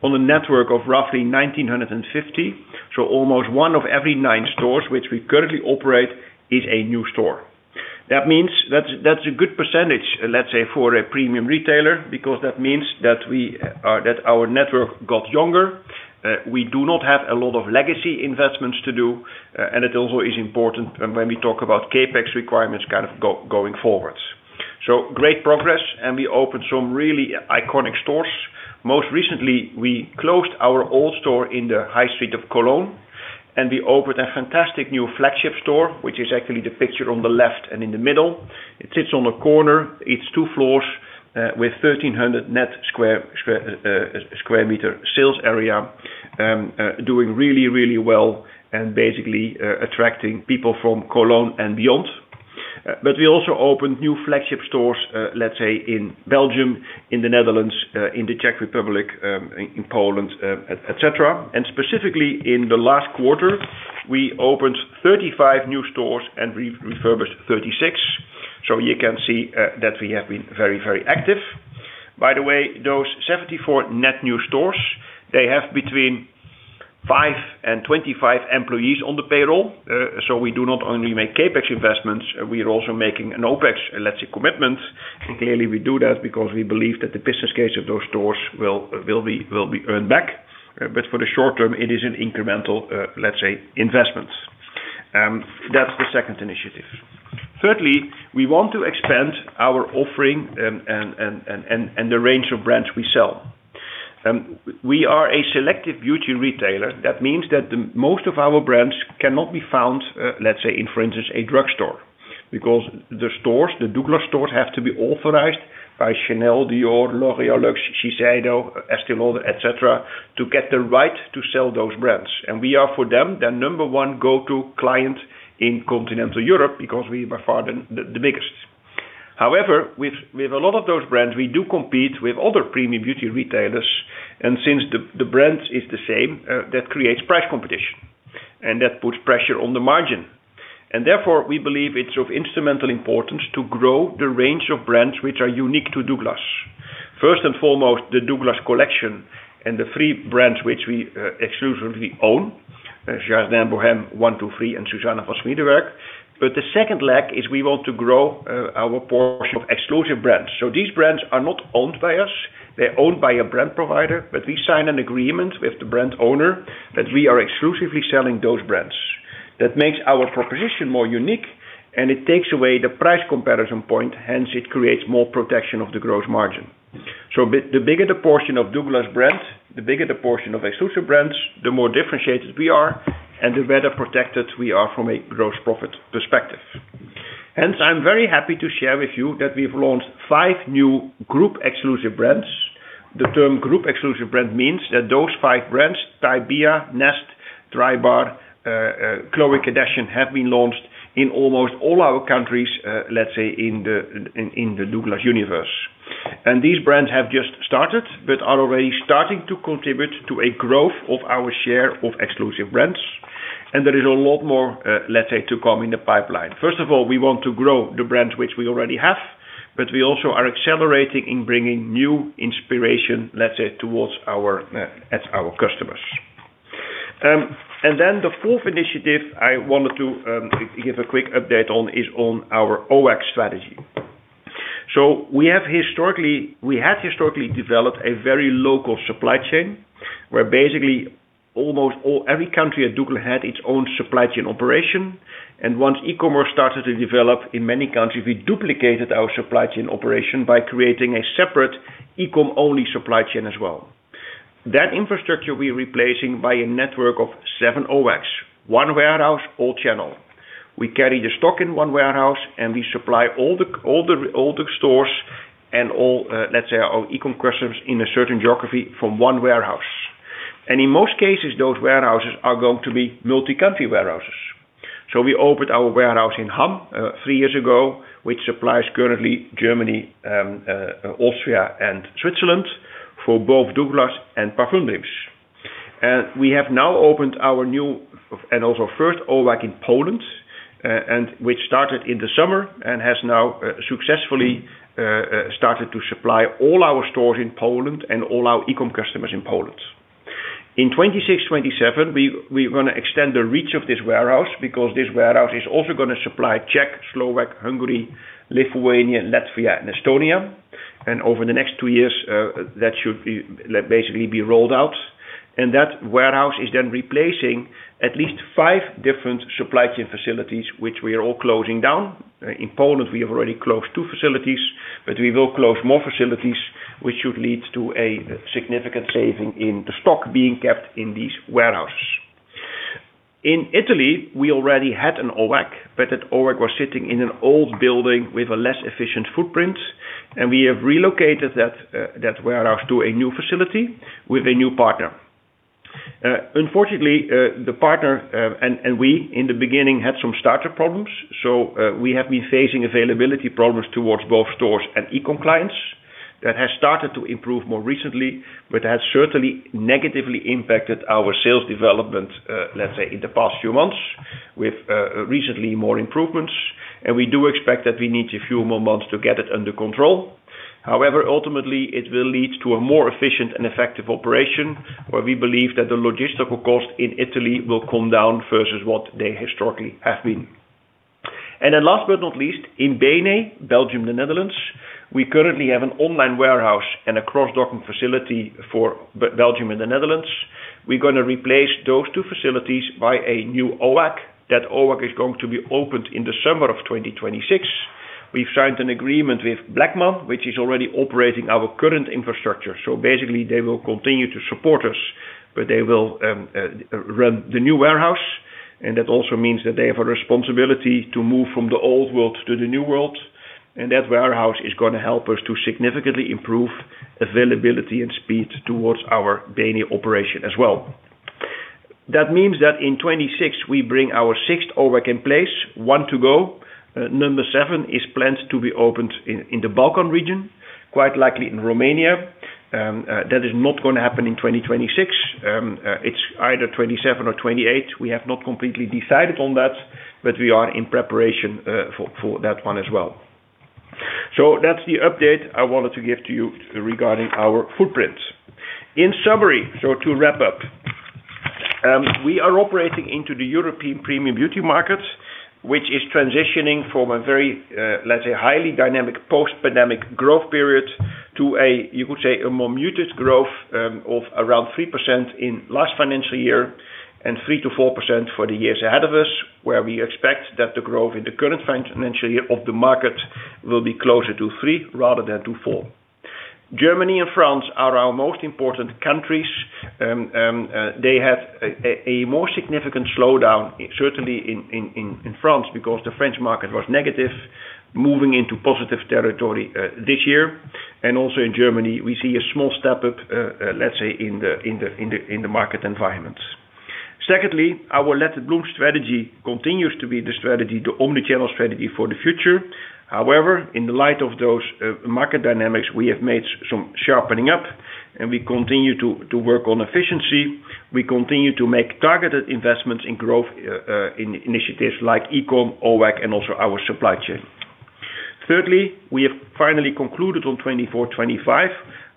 Speaker 2: on a network of roughly 1,950, so almost one of every nine stores which we currently operate is a new store. That means that's a good percentage, let's say, for a premium retailer because that means that our network got younger. We do not have a lot of legacy investments to do, and it also is important when we talk about CapEx requirements kind of going forwards. Great progress, and we opened some really iconic stores. Most recently, we closed our old store in the High Street of Cologne, and we opened a fantastic new flagship store, which is actually the picture on the left and in the middle. It sits on a corner. It's two floors with 1,300 net sq m sales area, doing really, really well and basically attracting people from Cologne and beyond. But we also opened new flagship stores, let's say, in Belgium, in the Netherlands, in the Czech Republic, in Poland, etc. And specifically in the last quarter, we opened 35 new stores and refurbished 36. So you can see that we have been very, very active. By the way, those 74 net new stores, they have between 5 and 25 employees on the payroll. So we do not only make CapEx investments. We are also making an OpEx, let's say, commitment. Clearly, we do that because we believe that the business case of those stores will be earned back. But for the short term, it is an incremental, let's say, investment. That's the second initiative. Thirdly, we want to expand our offering and the range of brands we sell. We are a selective beauty retailer. That means that most of our brands cannot be found, let's say, in, for instance, a drugstore because the stores, the Douglas stores have to be authorized by Chanel, Dior, L'Oréal, Lux, Shiseido, Estée Lauder, etc. to get the right to sell those brands. And we are, for them, the number one go-to client in continental Europe because we are by far the biggest. However, with a lot of those brands, we do compete with other premium beauty retailers. And since the brand is the same, that creates price competition, and that puts pressure on the margin. And therefore, we believe it's of instrumental importance to grow the range of brands which are unique to Douglas. First and foremost, the Douglas collection and the three brands which we exclusively own, Jardin Bohème, one.two.free!, and Susanne von Schmiedeberg. But the second leg is we want to grow our portion of exclusive brands. So these brands are not owned by us. They're owned by a brand provider, but we sign an agreement with the brand owner that we are exclusively selling those brands. That makes our proposition more unique, and it takes away the price comparison point. Hence, it creates more protection of the gross margin. So the bigger the portion of Douglas brand, the bigger the portion of exclusive brands, the more differentiated we are and the better protected we are from a gross profit perspective. Hence, I'm very happy to share with you that we've launched five new group exclusive brands. The term group exclusive brand means that those five brands, Thybea, Nest, Drybar, Khloé Kardashian, have been launched in almost all our countries, let's say, in the Douglas universe. And these brands have just started but are already starting to contribute to a growth of our share of exclusive brands. And there is a lot more, let's say, to come in the pipeline. First of all, we want to grow the brands which we already have, but we also are accelerating in bringing new inspiration, let's say, towards our customers. And then the fourth initiative I wanted to give a quick update on is on our OWAC strategy. So we have historically developed a very local supply chain where basically almost every country at Douglas had its own supply chain operation. And once e-commerce started to develop in many countries, we duplicated our supply chain operation by creating a separate e-com only supply chain as well. That infrastructure we are replacing by a network of seven OWACs, one warehouse all channel. We carry the stock in one warehouse, and we supply all the stores and all, let's say, our e-com customers in a certain geography from one warehouse. And in most cases, those warehouses are going to be multi-country warehouses. So we opened our warehouse in Hamm three years ago, which supplies currently Germany, Austria, and Switzerland for both Douglas and Parfumdreams. We have now opened our new and also first OWAC in Poland, which started in the summer and has now successfully started to supply all our stores in Poland and all our e-com customers in Poland. In 2026-2027, we're going to extend the reach of this warehouse because this warehouse is also going to supply Czech, Slovak, Hungary, Lithuania, Latvia, and Estonia. Over the next two years, that should basically be rolled out. That warehouse is then replacing at least five different supply chain facilities, which we are all closing down. In Poland, we have already closed two facilities, but we will close more facilities, which should lead to a significant saving in the stock being kept in these warehouses. In Italy, we already had an OWAC, but that OWAC was sitting in an old building with a less efficient footprint, and we have relocated that warehouse to a new facility with a new partner. Unfortunately, the partner and we in the beginning had some starter problems, so we have been facing availability problems towards both stores and e-com clients. That has started to improve more recently, but has certainly negatively impacted our sales development, let's say, in the past few months, with recently more improvements, and we do expect that we need a few more months to get it under control. However, ultimately, it will lead to a more efficient and effective operation where we believe that the logistical cost in Italy will come down versus what they historically have been. Then last but not least, in Benelux, Belgium, the Netherlands, we currently have an online warehouse and a cross-docking facility for Belgium and the Netherlands. We're going to replace those two facilities by a new OWAC. That OWAC is going to be opened in the summer of 2026. We've signed an agreement with Bleckmann, which is already operating our current infrastructure. So basically, they will continue to support us, but they will run the new warehouse. And that also means that they have a responsibility to move from the old world to the new world. And that warehouse is going to help us to significantly improve availability and speed towards our Benelux operation as well. That means that in 2026, we bring our sixth OWAC in place, one to go. Number seven is planned to be opened in the Balkan region, quite likely in Romania. That is not going to happen in 2026. It's either 2027 or 2028. We have not completely decided on that, but we are in preparation for that one as well. So that's the update I wanted to give to you regarding our footprint. In summary, so to wrap up, we are operating in the European premium beauty market, which is transitioning from a very, let's say, highly dynamic post-pandemic growth period to a, you could say, a more muted growth of around 3% in last financial year and 3%-4% for the years ahead of us, where we expect that the growth in the current financial year of the market will be closer to 3% rather than to 4%. Germany and France are our most important countries. They had a more significant slowdown, certainly in France, because the French market was negative, moving into positive territory this year. And also in Germany, we see a small step up, let's say, in the market environment. Secondly, our Let It Bloom strategy continues to be the strategy, the omnichannel strategy for the future. However, in the light of those market dynamics, we have made some sharpening up, and we continue to work on efficiency. We continue to make targeted investments in growth initiatives like e-com, OWAC, and also our supply chain. Thirdly, we have finally concluded on 2024-2025.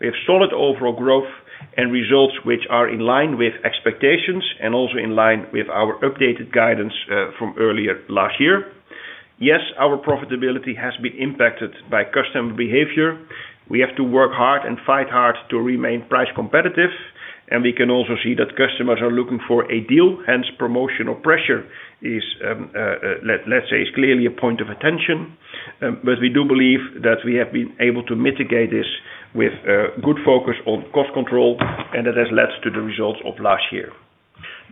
Speaker 2: We have solid overall growth and results which are in line with expectations and also in line with our updated guidance from earlier last year. Yes, our profitability has been impacted by customer behavior. We have to work hard and fight hard to remain price competitive. And we can also see that customers are looking for a deal. Hence, promotional pressure, let's say, is clearly a point of attention. But we do believe that we have been able to mitigate this with good focus on cost control, and that has led to the results of last year.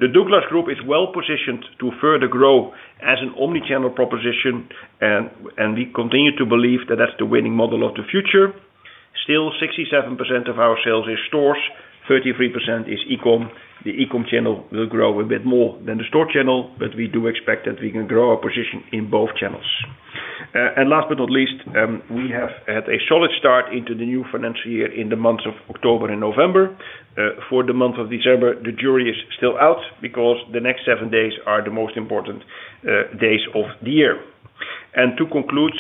Speaker 2: The Douglas Group is well positioned to further grow as an omnichannel proposition, and we continue to believe that that's the winning model of the future. Still, 67% of our sales is stores. 33% is e-com. The e-com channel will grow a bit more than the store channel, but we do expect that we can grow our position in both channels. And last but not least, we have had a solid start into the new financial year in the months of October and November. For the month of December, the jury is still out because the next seven days are the most important days of the year. And to conclude,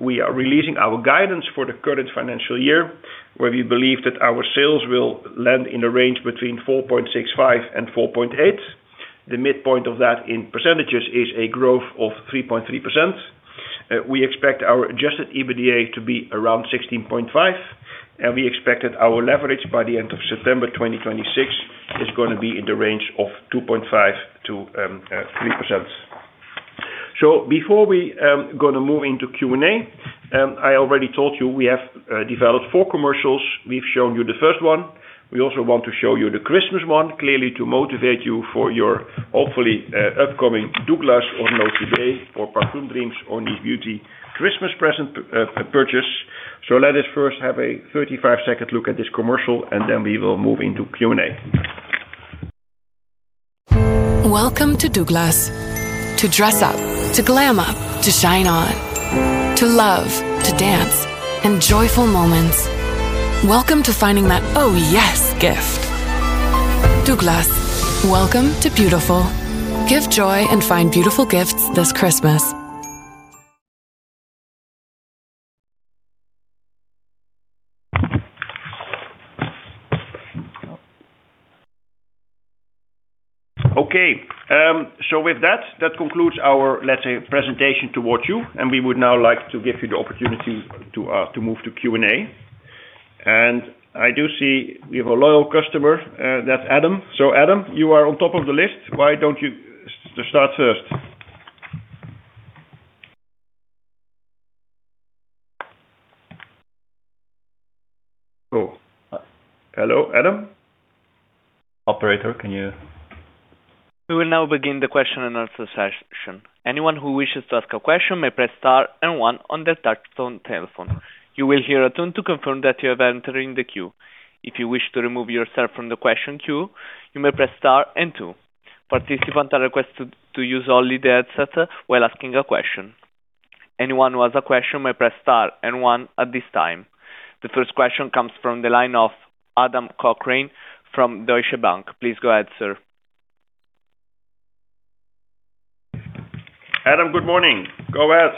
Speaker 2: we are releasing our guidance for the current financial year, where we believe that our sales will land in a range between 4.65 and 4.8. The midpoint of that in percentages is a growth of 3.3%. We expect our adjusted EBITDA to be around 16.5, and we expect that our leverage by the end of September 2026 is going to be in the range of 2.5%-3%. So before we go to move into Q&A, I already told you we have developed four commercials. We've shown you the first one. We also want to show you the Christmas one, clearly to motivate you for your hopefully upcoming Douglas or not today or Parfumdreams or Niche Beauty Christmas present purchase. So let us first have a 35-second look at this commercial, and then we will move into Q&A. Welcome to Douglas. To dress up, to glam up, to shine on, to love, to dance, and joyful moments. Welcome to finding that, "Oh yes," gift. Douglas, welcome to beautiful. Give joy and find beautiful gifts this Christmas. Okay. So with that, that concludes our, let's say, presentation towards you, and we would now like to give you the opportunity to move to Q&A, and I do see we have a loyal customer. That's Adam. So Adam, you are on top of the list. Why don't you start first? Hello, Adam?
Speaker 3: Operator, can you?
Speaker 1: We will now begin the question-and-answer session. Anyone who wishes to ask a question may press star and one on their touch-tone telephone. You will hear a tune to confirm that you have entered in the queue. If you wish to remove yourself from the question queue, you may press star and two. Participants are requested to use only the headset while asking a question. Anyone who has a question may press star and one at this time. The first question comes from the line of Adam Cochrane from Deutsche Bank. Please go ahead, sir.
Speaker 2: Adam, good morning. Go ahead.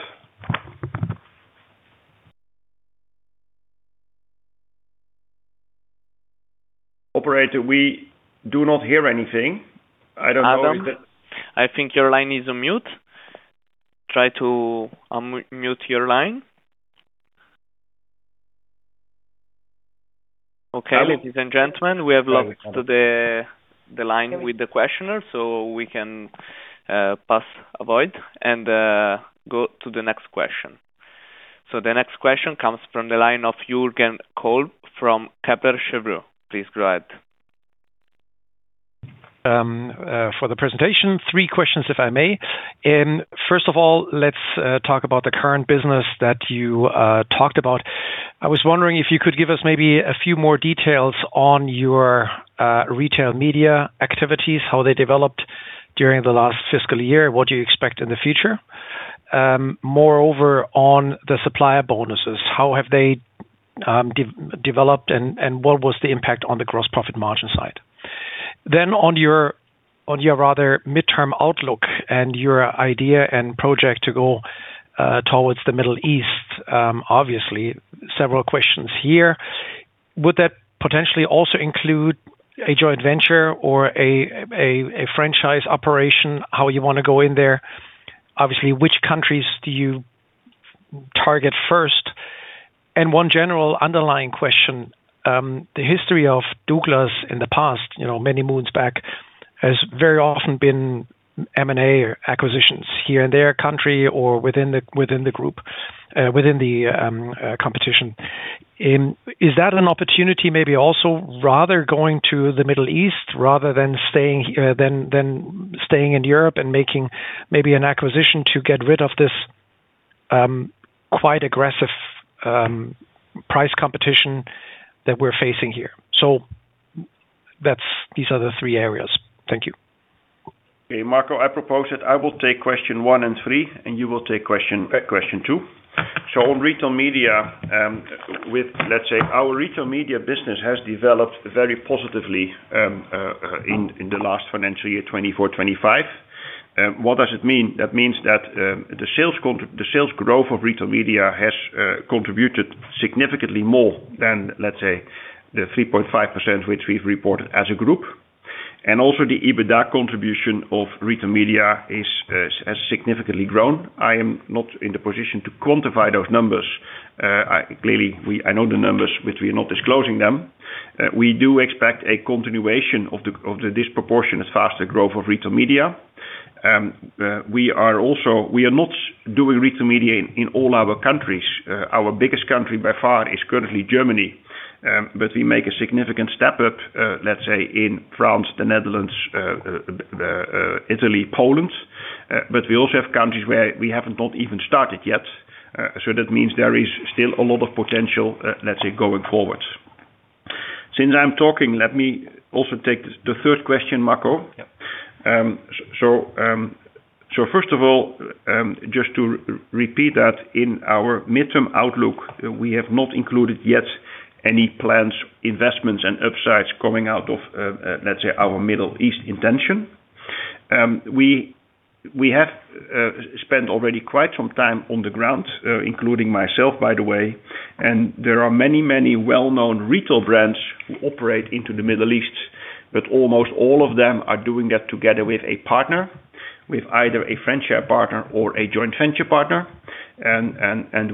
Speaker 2: Operator, we do not hear anything. I don't know if the.
Speaker 1: Adam, I think your line is on mute. Try to unmute your line. Okay. Ladies and gentlemen, we have lost the line with the questioner, so we can bypass it and go to the next question. So the next question comes from the line of Jürgen Kolb from Kepler Cheuvreux. Please go ahead.
Speaker 4: For the presentation, three questions, if I may. First of all, let's talk about the current business that you talked about. I was wondering if you could give us maybe a few more details on your retail media activities, how they developed during the last fiscal year, what you expect in the future. Moreover, on the supplier bonuses, how have they developed and what was the impact on the gross profit margin side? Then on your rather midterm outlook and your idea and project to go towards the Middle East, obviously, several questions here. Would that potentially also include a joint venture or a franchise operation, how you want to go in there? Obviously, which countries do you target first? And one general underlying question, the history of Douglas in the past, many moons back, has very often been M&A acquisitions here in their country or within the group, within the competition. Is that an opportunity maybe also rather going to the Middle East rather than staying in Europe and making maybe an acquisition to get rid of this quite aggressive price competition that we're facing here? So these are the three areas. Thank you.
Speaker 2: Okay, Marco, I propose that I will take question one and three, and you will take question two. So on retail media with, let's say, our retail media business has developed very positively in the last financial year 2024-2025. What does it mean? That means that the sales growth of retail media has contributed significantly more than, let's say, the 3.5% which we've reported as a group. And also the EBITDA contribution of retail media has significantly grown. I am not in the position to quantify those numbers. Clearly, I know the numbers, but we are not disclosing them. We do expect a continuation of the disproportionate faster growth of retail media. We are not doing retail media in all our countries. Our biggest country by far is currently Germany, but we make a significant step up, let's say, in France, the Netherlands, Italy, Poland, but we also have countries where we haven't even started yet, so that means there is still a lot of potential, let's say, going forward. Since I'm talking, let me also take the third question, Marco, so first of all, just to repeat that in our midterm outlook, we have not included yet any plans, investments, and upsides coming out of, let's say, our Middle East intention. We have spent already quite some time on the ground, including myself, by the way. There are many, many well-known retail brands who operate into the Middle East, but almost all of them are doing that together with a partner, with either a franchise partner or a joint venture partner.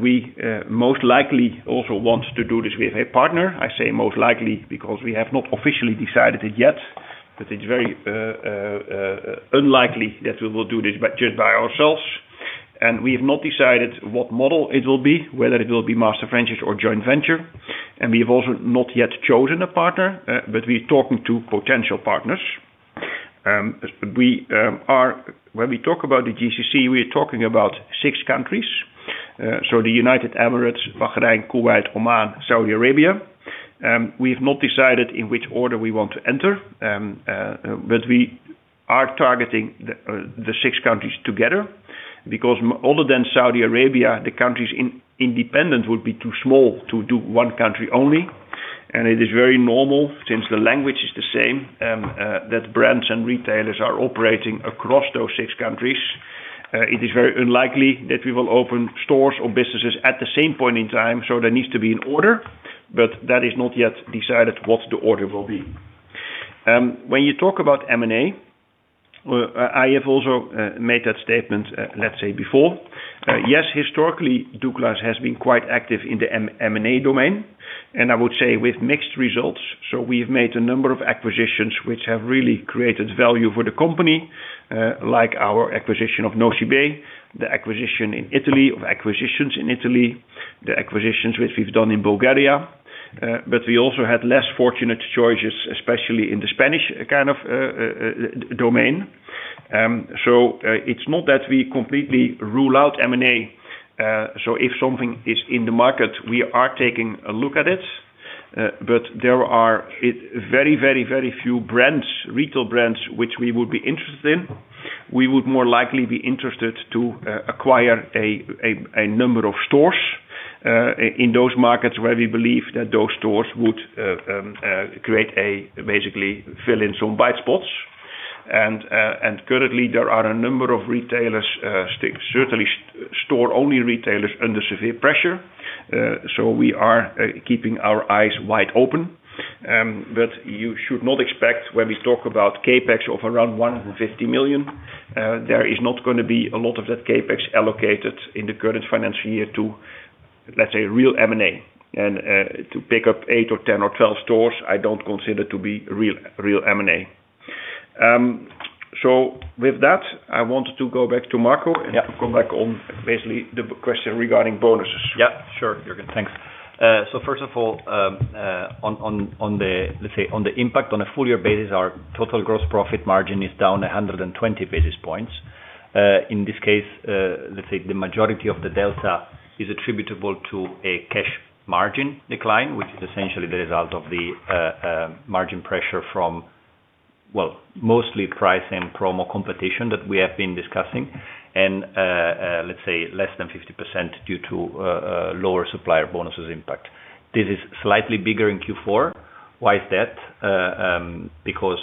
Speaker 2: We most likely also want to do this with a partner. I say most likely because we have not officially decided it yet, but it's very unlikely that we will do this just by ourselves. We have not decided what model it will be, whether it will be master franchise or joint venture. We have also not yet chosen a partner, but we are talking to potential partners. When we talk about the GCC, we are talking about six countries. The United Arab Emirates, Bahrain, Kuwait, Oman, Saudi Arabia. We have not decided in which order we want to enter, but we are targeting the six countries together because other than Saudi Arabia, the countries independent would be too small to do one country only, and it is very normal, since the language is the same, that brands and retailers are operating across those six countries. It is very unlikely that we will open stores or businesses at the same point in time, so there needs to be an order, but that is not yet decided what the order will be. When you talk about M&A, I have also made that statement, let's say, before. Yes, historically, Douglas has been quite active in the M&A domain, and I would say with mixed results. So we have made a number of acquisitions which have really created value for the company, like our acquisition of Nocibé, the acquisition in Italy, acquisitions in Italy, the acquisitions which we've done in Bulgaria. But we also had less fortunate choices, especially in the Spanish kind of domain. So it's not that we completely rule out M&A. So if something is in the market, we are taking a look at it. But there are very, very, very few brands, retail brands, which we would be interested in. We would more likely be interested to acquire a number of stores in those markets where we believe that those stores would create a basically fill in some white spots. And currently, there are a number of retailers, certainly store-only retailers, under severe pressure. So we are keeping our eyes wide open. But you should not expect, when we talk about CapEx of around 150 million, there is not going to be a lot of that CapEx allocated in the current financial year to, let's say, real M&A. And to pick up 8 or 10 or 12 stores, I don't consider to be real M&A. So with that, I wanted to go back to Marco and to come back on basically the question regarding bonuses.
Speaker 3: Yeah, sure, Jürgen. Thanks. So first of all, let's say on the impact on a full-year basis, our total gross profit margin is down 120 basis points. In this case, let's say the majority of the delta is attributable to a cash margin decline, which is essentially the result of the margin pressure from, well, mostly price and promo competition that we have been discussing. And let's say less than 50% due to lower supplier bonuses impact. This is slightly bigger in Q4. Why is that? Because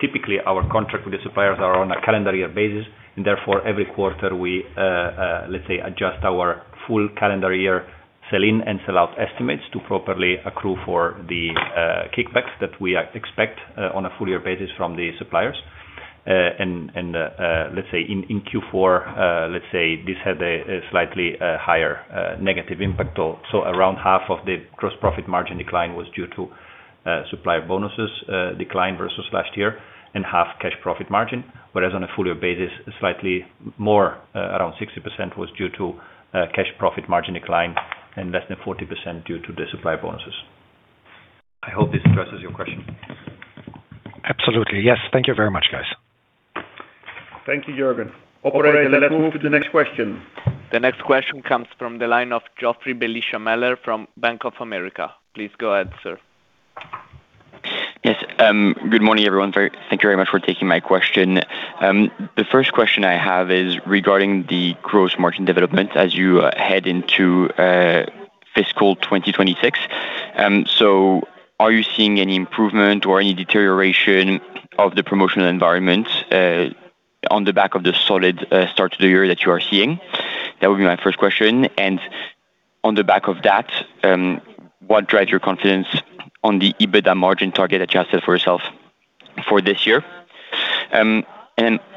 Speaker 3: typically, our contract with the suppliers are on a calendar year basis, and therefore, every quarter, we, let's say, adjust our full calendar year sell-in and sell-out estimates to properly accrue for the kickbacks that we expect on a full-year basis from the suppliers. And let's say in Q4, let's say this had a slightly higher negative impact. So around half of the gross profit margin decline was due to supplier bonuses decline versus last year and half cash profit margin. Whereas on a full-year basis, slightly more around 60% was due to cash profit margin decline and less than 40% due to the supplier bonuses. I hope this addresses your question.
Speaker 4: Absolutely. Yes. Thank you very much, guys.
Speaker 2: Thank you, Jürgen. Operator, let's move to the next question.
Speaker 1: The next question comes from the line of Joffrey Meller from Bank of America. Please go ahead, sir.
Speaker 5: Yes. Good morning, everyone. Thank you very much for taking my question. The first question I have is regarding the gross margin development as you head into fiscal 2026. So are you seeing any improvement or any deterioration of the promotional environment on the back of the solid start to the year that you are seeing? That would be my first question. And on the back of that, what drives your confidence on the EBITDA margin target that you have set for yourself for this year? And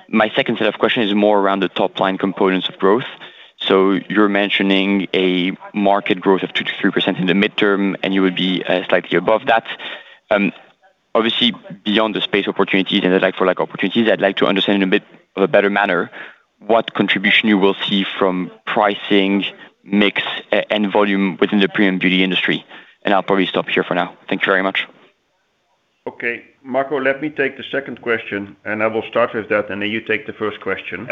Speaker 5: my second set of questions is more around the top-line components of growth. So you're mentioning a market growth of 2%-3% in the midterm, and you would be slightly above that. Obviously, beyond the space opportunities and the like-for-like opportunities, I'd like to understand in a bit of a better manner what contribution you will see from pricing, mix, and volume within the premium beauty industry. And I'll probably stop here for now. Thank you very much.
Speaker 2: Okay. Marco, let me take the second question, and I will start with that, and then you take the first question.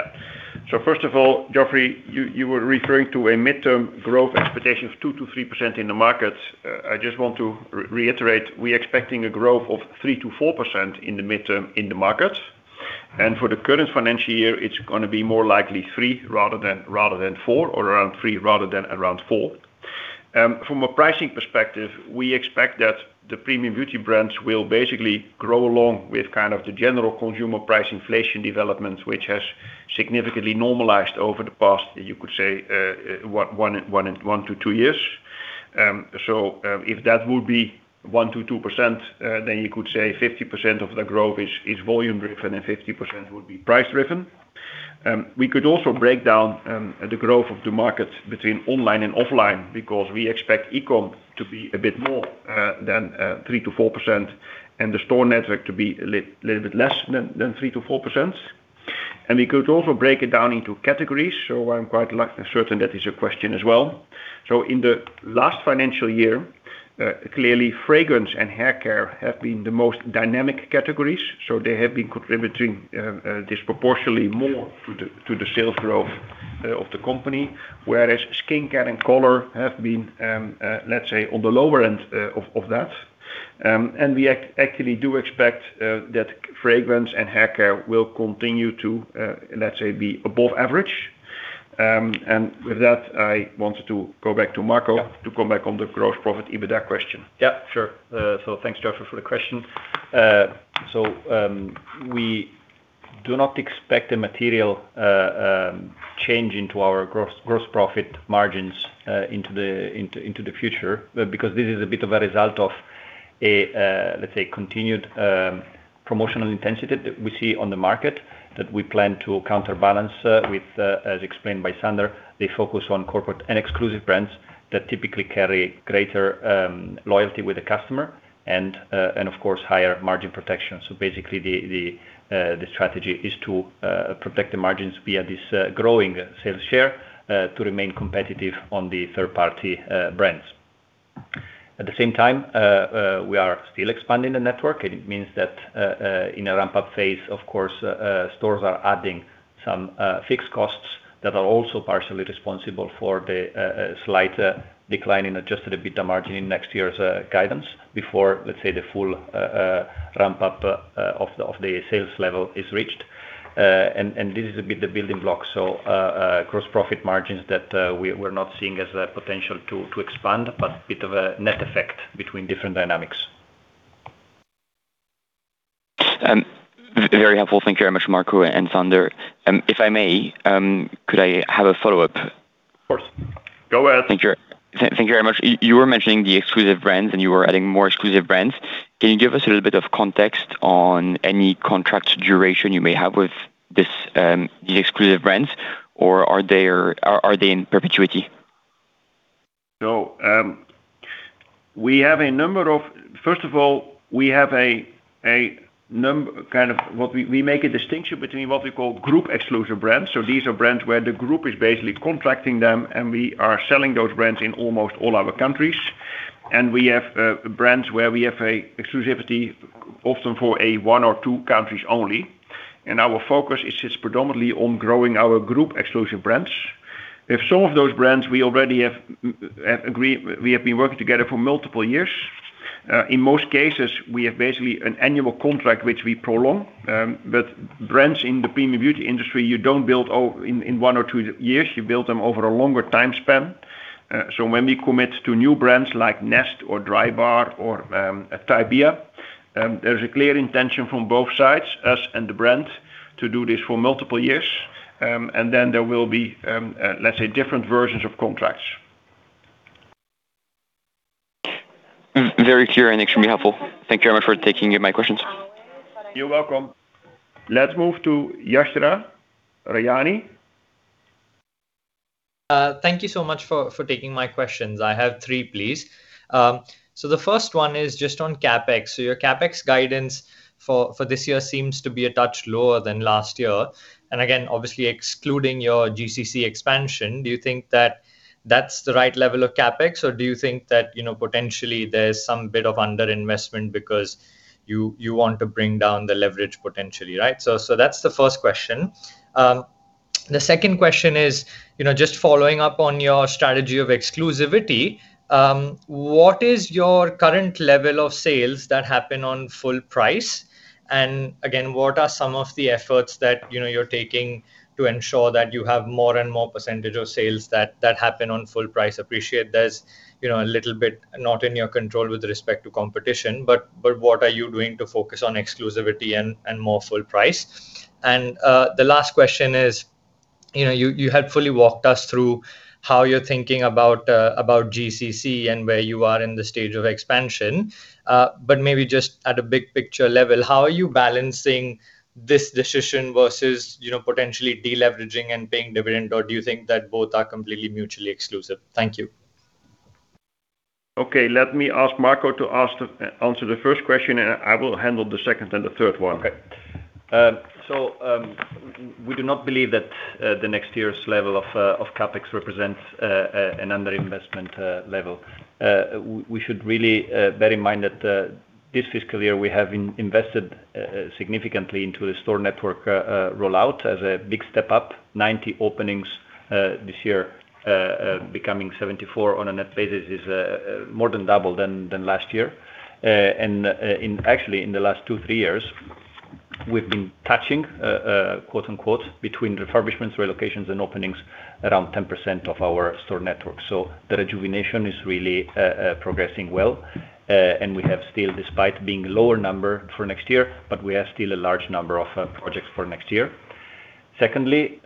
Speaker 2: So first of all, Joffrey, you were referring to a midterm growth expectation of 2% to 3% in the market. I just want to reiterate, we are expecting a growth of 3% to 4% in the midterm in the market. And for the current financial year, it's going to be more likely 3 rather than 4 or around 3 rather than around 4. From a pricing perspective, we expect that the premium beauty brands will basically grow along with kind of the general consumer price inflation development, which has significantly normalized over the past, you could say, 1-2 years. So if that would be 1%-2%, then you could say 50% of the growth is volume-driven and 50% would be price-driven. We could also break down the growth of the market between online and offline because we expect e-com to be a bit more than 3%-4% and the store network to be a little bit less than 3%-4%. And we could also break it down into categories. So I'm quite certain that is a question as well. So in the last financial year, clearly, fragrance and haircare have been the most dynamic categories. They have been contributing disproportionately more to the sales growth of the company, whereas skincare and color have been, let's say, on the lower end of that. We actually do expect that fragrance and haircare will continue to, let's say, be above average. With that, I wanted to go back to Marco to come back on the gross profit EBITDA question.
Speaker 3: Yeah, sure. So thanks, Joffrey, for the question. We do not expect a material change in our gross profit margins in the future because this is a bit of a result of a, let's say, continued promotional intensity that we see on the market that we plan to counterbalance with, as explained by Sander, the focus on corporate and exclusive brands that typically carry greater loyalty with the customer and, of course, higher margin protection. So basically, the strategy is to protect the margins via this growing sales share to remain competitive on the third-party brands. At the same time, we are still expanding the network, and it means that in a ramp-up phase, of course, stores are adding some fixed costs that are also partially responsible for the slight decline in Adjusted EBITDA margin in next year's guidance before, let's say, the full ramp-up of the sales level is reached. And this is a bit the building block. So gross profit margins that we're not seeing as a potential to expand, but a bit of a net effect between different dynamics.
Speaker 5: Very helpful. Thank you very much, Marco and Sander. If I may, could I have a follow-up?
Speaker 2: Of course. Go ahead.
Speaker 5: Thank you. Thank you very much. You were mentioning the exclusive brands, and you were adding more exclusive brands. Can you give us a little bit of context on any contract duration you may have with these exclusive brands, or are they in perpetuity?
Speaker 2: No. We have a number of. First of all, we make a distinction between what we call group exclusive brands. So these are brands where the group is basically contracting them, and we are selling those brands in almost all our countries. And we have brands where we have exclusivity often for one or two countries only. And our focus is predominantly on growing our group exclusive brands. If some of those brands we already have agreed we have been working together for multiple years. In most cases, we have basically an annual contract which we prolong. But brands in the premium beauty industry, you don't build in one or two years. You build them over a longer time span. So when we commit to new brands like Nest or Drybar or Tybee, there is a clear intention from both sides, us and the brand, to do this for multiple years. And then there will be, let's say, different versions of contracts.
Speaker 5: Very clear and extremely helpful. Thank you very much for taking my questions.
Speaker 2: You're welcome. Let's move to Yashraj Rajani.
Speaker 6: Thank you so much for taking my questions. I have three, please. So the first one is just on CapEx. So your CapEx guidance for this year seems to be a touch lower than last year. And again, obviously, excluding your GCC expansion, do you think that that's the right level of CapEx, or do you think that potentially there's some bit of underinvestment because you want to bring down the leverage potentially, right? So that's the first question. The second question is just following up on your strategy of exclusivity. What is your current level of sales that happen on full price? And again, what are some of the efforts that you're taking to ensure that you have more and more percentage of sales that happen on full price? Appreciate there's a little bit not in your control with respect to competition, but what are you doing to focus on exclusivity and more full price? And the last question is you had fully walked us through how you're thinking about GCC and where you are in the stage of expansion. But maybe just at a big picture level, how are you balancing this decision versus potentially deleveraging and paying dividend, or do you think that both are completely mutually exclusive? Thank you.
Speaker 2: Okay. Let me ask Marco to answer the first question, and I will handle the second and the third one.
Speaker 3: Okay. So we do not believe that the next year's level of CapEx represents an underinvestment level. We should really bear in mind that this fiscal year we have invested significantly into the store network rollout as a big step up. 90 openings this year, becoming 74 on a net basis, is more than double than last year. And actually, in the last two, three years, we've been touching, quote-unquote, between refurbishments, relocations, and openings around 10% of our store network. So the rejuvenation is really progressing well. And we have still, despite being a lower number for next year, but we have still a large number of projects for next year. Secondly,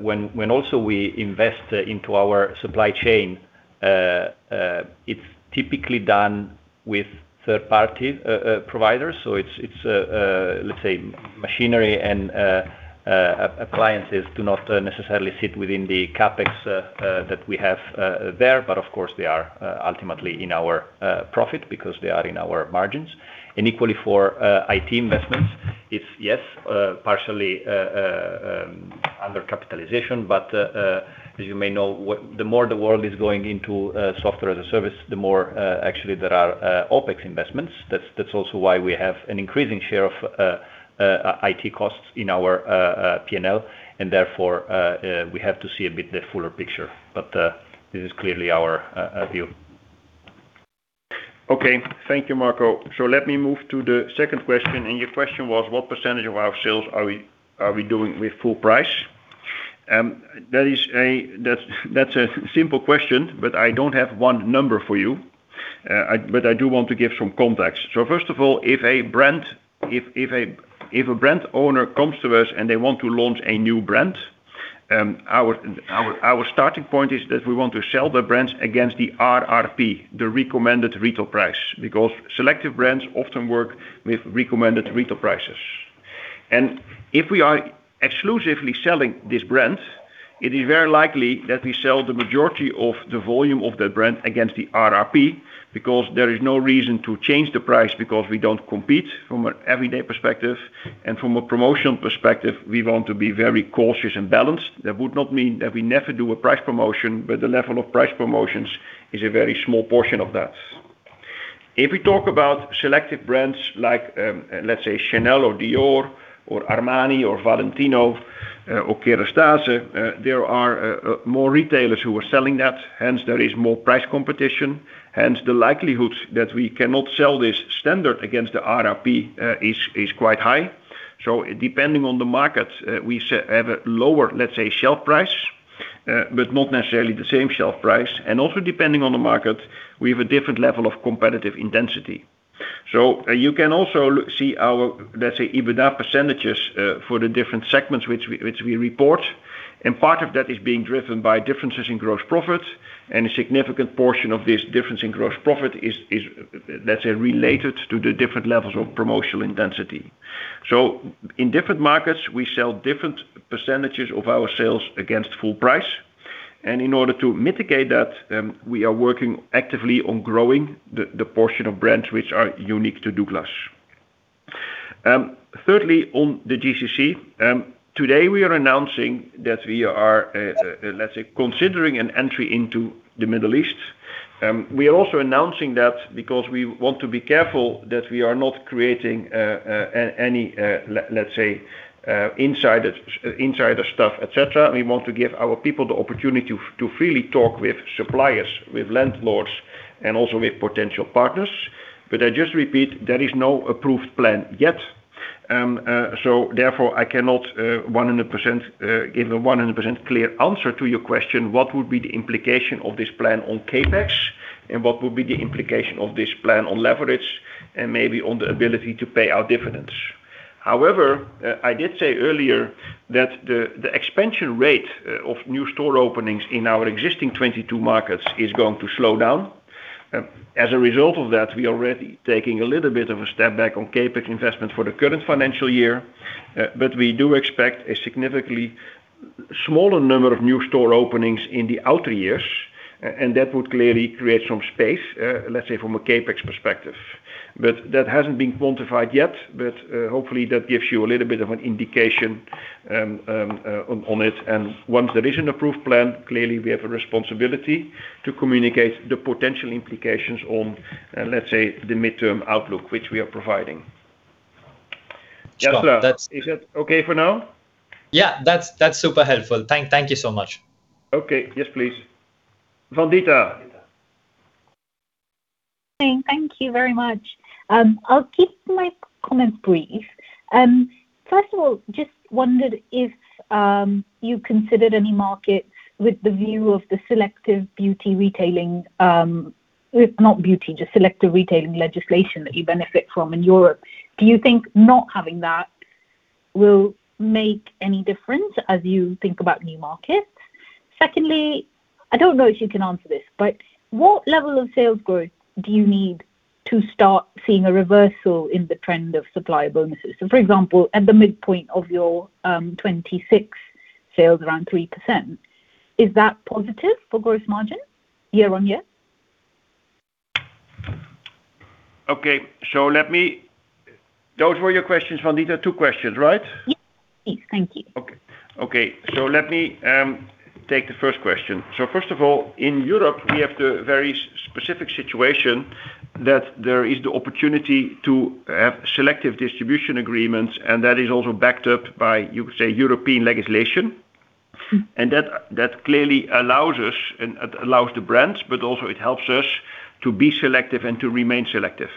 Speaker 3: when also we invest into our supply chain, it's typically done with third-party providers. So it's, let's say, machinery and appliances do not necessarily sit within the CapEx that we have there, but of course, they are ultimately in our profit because they are in our margins. And equally for IT investments, it's, yes, partially under capitalization. But as you may know, the more the world is going into software as a service, the more actually there are OpEx investments. That's also why we have an increasing share of IT costs in our P&L. And therefore, we have to see a bit the fuller picture. But this is clearly our view.
Speaker 2: Okay. Thank you, Marco. So let me move to the second question. And your question was, what percentage of our sales are we doing with full price? That's a simple question, but I don't have one number for you. But I do want to give some context. So first of all, if a brand owner comes to us and they want to launch a new brand, our starting point is that we want to sell the brands against the RRP, the recommended retail price, because selective brands often work with recommended retail prices. And if we are exclusively selling this brand, it is very likely that we sell the majority of the volume of that brand against the RRP because there is no reason to change the price because we don't compete from an everyday perspective. And from a promotional perspective, we want to be very cautious and balanced. That would not mean that we never do a price promotion, but the level of price promotions is a very small portion of that. If we talk about selective brands like, let's say, Chanel or Dior or Armani or Valentino or Kérastase, there are more retailers who are selling that. Hence, there is more price competition. Hence, the likelihood that we cannot sell this standard against the RRP is quite high. So depending on the market, we have a lower, let's say, shelf price, but not necessarily the same shelf price. And also depending on the market, we have a different level of competitive intensity. So you can also see our, let's say, EBITDA percentages for the different segments which we report. And part of that is being driven by differences in gross profit. And a significant portion of this difference in gross profit is, let's say, related to the different levels of promotional intensity. So in different markets, we sell different percentages of our sales against full price. In order to mitigate that, we are working actively on growing the portion of brands which are unique to Douglas. Thirdly, on the GCC, today we are announcing that we are, let's say, considering an entry into the Middle East. We are also announcing that because we want to be careful that we are not creating any, let's say, insider stuff, etc. We want to give our people the opportunity to freely talk with suppliers, with landlords, and also with potential partners. But I just repeat, there is no approved plan yet. So therefore, I cannot give a 100% clear answer to your question, what would be the implication of this plan on CapEx and what would be the implication of this plan on leverage and maybe on the ability to pay our dividends. However, I did say earlier that the expansion rate of new store openings in our existing 22 markets is going to slow down. As a result of that, we are already taking a little bit of a step back on CapEx investment for the current financial year, but we do expect a significantly smaller number of new store openings in the outer years, and that would clearly create some space, let's say, from a CapEx perspective, but that hasn't been quantified yet, but hopefully, that gives you a little bit of an indication on it, and once there is an approved plan, clearly, we have a responsibility to communicate the potential implications on, let's say, the midterm outlook which we are providing. Yashra, is that okay for now?
Speaker 6: Yeah, that's super helpful. Thank you so much.
Speaker 2: Okay. Yes, please. Vandita.
Speaker 7: Thank you very much. I'll keep my comments brief. First of all, I just wondered if you considered any markets with the view of the selective beauty retailing, not beauty, just selective retailing legislation that you benefit from in Europe. Do you think not having that will make any difference as you think about new markets? Secondly, I don't know if you can answer this, but what level of sales growth do you need to start seeing a reversal in the trend of supplier bonuses? So for example, at the midpoint of your 2026 sales, around 3%, is that positive for gross margin year-on-year?
Speaker 2: Okay. So those were your questions, Vandita. Two questions, right?
Speaker 7: Yes. Thank you.
Speaker 2: Okay. So let me take the first question. So first of all, in Europe, we have the very specific situation that there is the opportunity to have selective distribution agreements, and that is also backed up by, you could say, European legislation. And that clearly allows us and allows the brands, but also it helps us to be selective and to remain selective.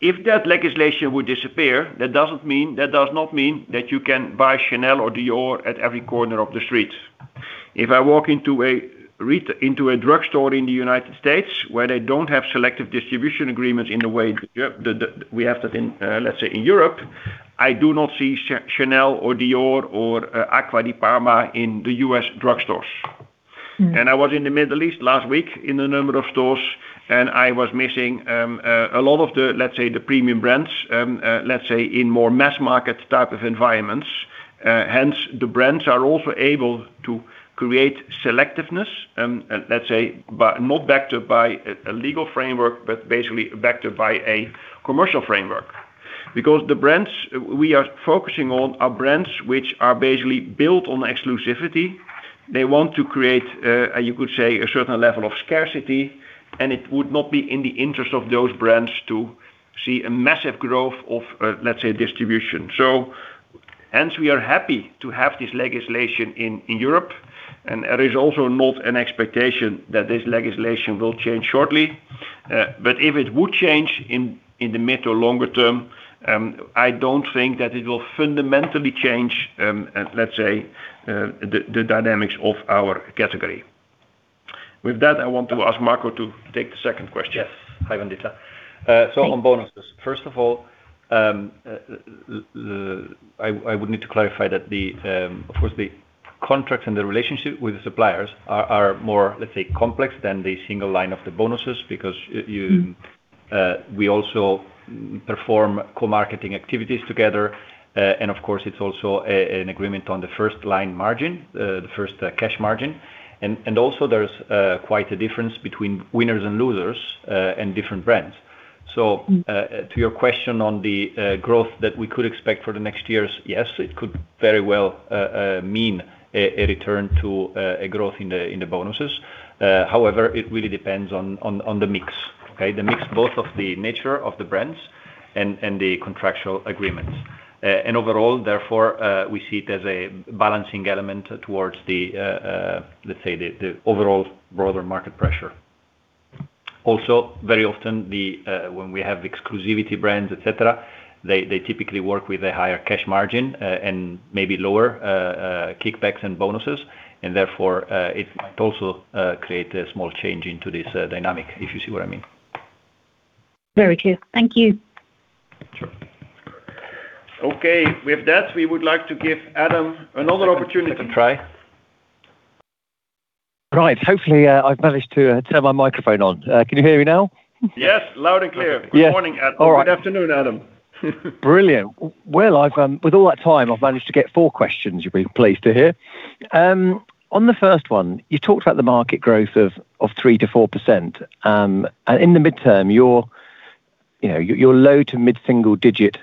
Speaker 2: If that legislation would disappear, that does not mean that you can buy Chanel or Dior at every corner of the street. If I walk into a drugstore in the United States where they don't have selective distribution agreements in the way we have that in, let's say, in Europe, I do not see Chanel or Dior or Acqua di Parma in the U.S. drugstores. I was in the Middle East last week in a number of stores, and I was missing a lot of the, let's say, the premium brands, let's say, in more mass market type of environments. Hence, the brands are also able to create selectiveness, let's say, but not backed up by a legal framework, but basically backed up by a commercial framework. Because the brands we are focusing on are brands which are basically built on exclusivity. They want to create, you could say, a certain level of scarcity, and it would not be in the interest of those brands to see a massive growth of, let's say, distribution. So hence, we are happy to have this legislation in Europe. There is also not an expectation that this legislation will change shortly. But if it would change in the mid or longer term, I don't think that it will fundamentally change, let's say, the dynamics of our category. With that, I want to ask Marco to take the second question.
Speaker 3: Yes. Hi, Vandita. So on bonuses, first of all, I would need to clarify that, of course, the contracts and the relationship with the suppliers are more, let's say, complex than the single line of the bonuses because we also perform co-marketing activities together. And of course, it's also an agreement on the first line margin, the first cash margin. And also, there's quite a difference between winners and losers and different brands. So to your question on the growth that we could expect for the next years, yes, it could very well mean a return to a growth in the bonuses. However, it really depends on the mix, okay? The mix, both of the nature of the brands and the contractual agreements. Overall, therefore, we see it as a balancing element towards the, let's say, the overall broader market pressure. Also, very often, when we have exclusivity brands, etc., they typically work with a higher cash margin and maybe lower kickbacks and bonuses. And therefore, it might also create a small change into this dynamic, if you see what I mean.
Speaker 7: Very clear. Thank you.
Speaker 3: Sure.
Speaker 2: Okay. With that, we would like to give Adam another opportunity. I can try.
Speaker 8: Right. Hopefully, I've managed to turn my microphone on. Can you hear me now?
Speaker 2: Yes. Loud and clear. Good morning, Adam.
Speaker 3: All right. Good afternoon, Adam.
Speaker 8: Brilliant. Well, with all that time, I've managed to get four questions, you'll be pleased to hear. On the first one, you talked about the market growth of 3%-4%. In the midterm, your low to mid-single-digit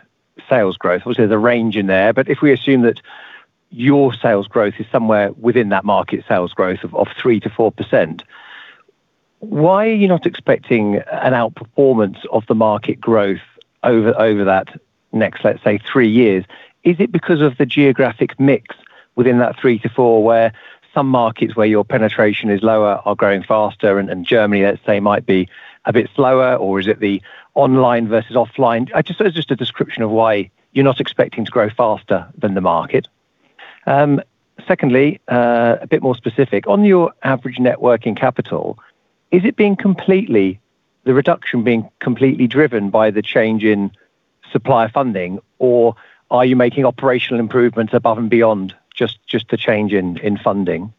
Speaker 8: sales growth, obviously, there's a range in there. If we assume that your sales growth is somewhere within that market sales growth of 3%-4%, why are you not expecting an outperformance of the market growth over that next, let's say, three years? Is it because of the geographic mix within that 3%-4% where some markets where your penetration is lower are growing faster? And Germany, let's say, might be a bit slower. Or is it the online versus offline? It's just a description of why you're not expecting to grow faster than the market. Secondly, a bit more specific. On your average net working capital, is the reduction being completely driven by the change in supplier funding? Or are you making operational improvements above and beyond just the change in funding?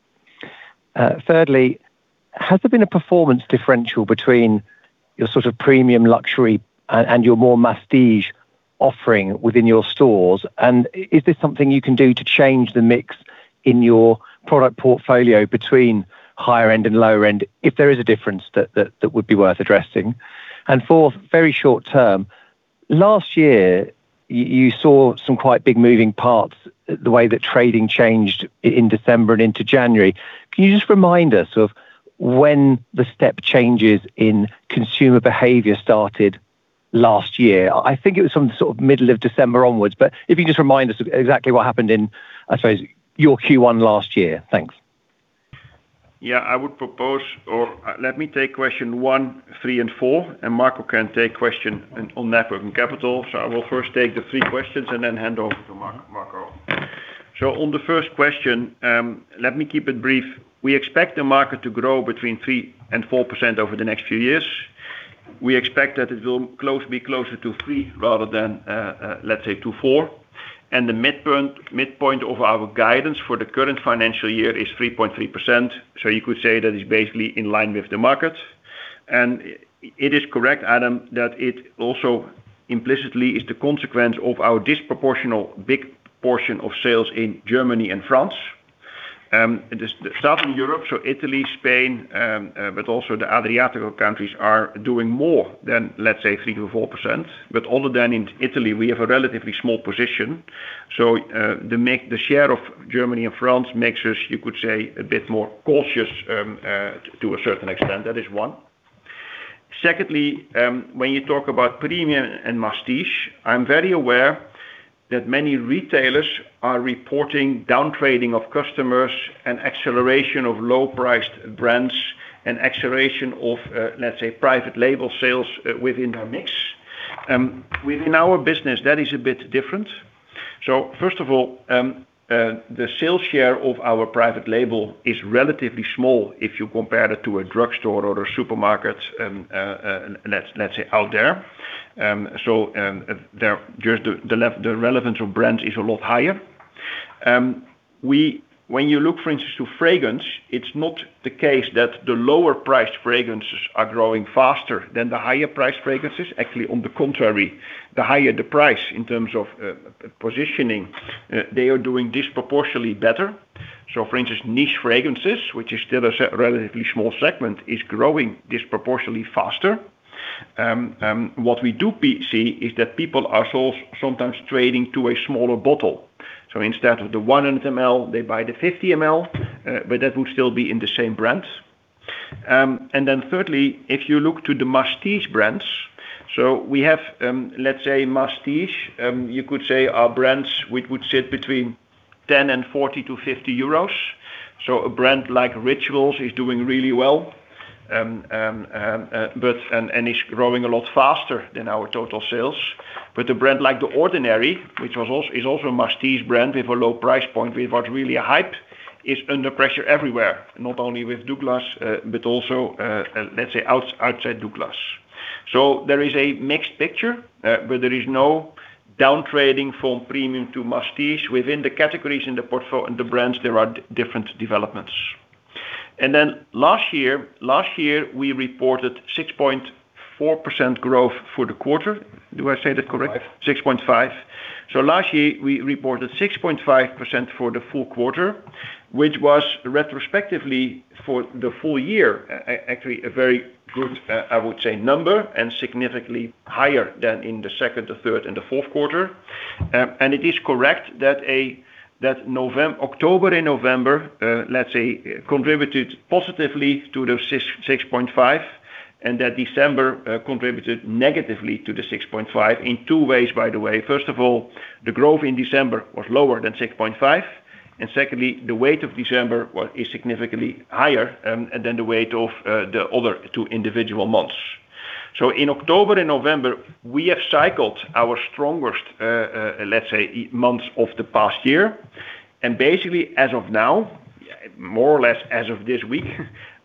Speaker 8: Thirdly, has there been a performance differential between your sort of premium luxury and your more prestige offering within your stores? And is this something you can do to change the mix in your product portfolio between higher-end and lower-end if there is a difference that would be worth addressing? And fourth, very short term, last year, you saw some quite big moving parts in the way that trading changed in December and into January. Can you just remind us of when the step changes in consumer behavior started last year? I think it was from the sort of middle of December onwards. But if you just remind us exactly what happened in, I suppose, your Q1 last year. Thanks.
Speaker 2: Yeah. I would propose or let me take question one, three, and four. And Marco can take question on net working capital. I will first take the three questions and then hand over to Marco. On the first question, let me keep it brief. We expect the market to grow between 3% and 4% over the next few years. We expect that it will be closer to 3 rather than, let's say, to 4. The midpoint of our guidance for the current financial year is 3.3%. You could say that it's basically in line with the market. It is correct, Adam, that it also implicitly is the consequence of our disproportional big portion of sales in Germany and France. Southern Europe, so Italy, Spain, but also the Adriatic countries are doing more than, let's say, 3%-4%. But other than in Italy, we have a relatively small position. So the share of Germany and France makes us, you could say, a bit more cautious to a certain extent. That is one. Secondly, when you talk about premium and prestige, I'm very aware that many retailers are reporting downtrading of customers and acceleration of low-priced brands and acceleration of, let's say, private label sales within their mix. Within our business, that is a bit different. So first of all, the sales share of our private label is relatively small if you compare it to a drugstore or a supermarket, let's say, out there. So just the relevance of brands is a lot higher. When you look, for instance, to fragrance, it's not the case that the lower-priced fragrances are growing faster than the higher-priced fragrances. Actually, on the contrary, the higher the price in terms of positioning, they are doing disproportionately better. So for instance, niche fragrances, which is still a relatively small segment, are growing disproportionately faster. What we do see is that people are sometimes trading to a smaller bottle. So instead of the 100 ml, they buy the 50 ml, but that would still be in the same brand. And then thirdly, if you look to the prestige brands, so we have, let's say, prestige, you could say, are brands which would sit between 10 and 40-50 euros. So a brand like Rituals is doing really well and is growing a lot faster than our total sales. But a brand like The Ordinary, which is also a prestige brand with a low price point, which was really a hype, is under pressure everywhere, not only with Douglas, but also, let's say, outside Douglas. So there is a mixed picture, but there is no downtrading from premium to prestige within the categories in the portfolio and the brands. There are different developments. And then last year, we reported 6.4% growth for the quarter. Do I say that correct? 6.5%. So last year, we reported 6.5% for the full quarter, which was retrospectively for the full year, actually a very good, I would say, number and significantly higher than in the second, the third, and the fourth quarter. And it is correct that October and November, let's say, contributed positively to the 6.5% and that December contributed negatively to the 6.5% in two ways, by the way. First of all, the growth in December was lower than 6.5%. And secondly, the weight of December is significantly higher than the weight of the other two individual months. So in October and November, we have cycled our strongest, let's say, months of the past year. And basically, as of now, more or less as of this week,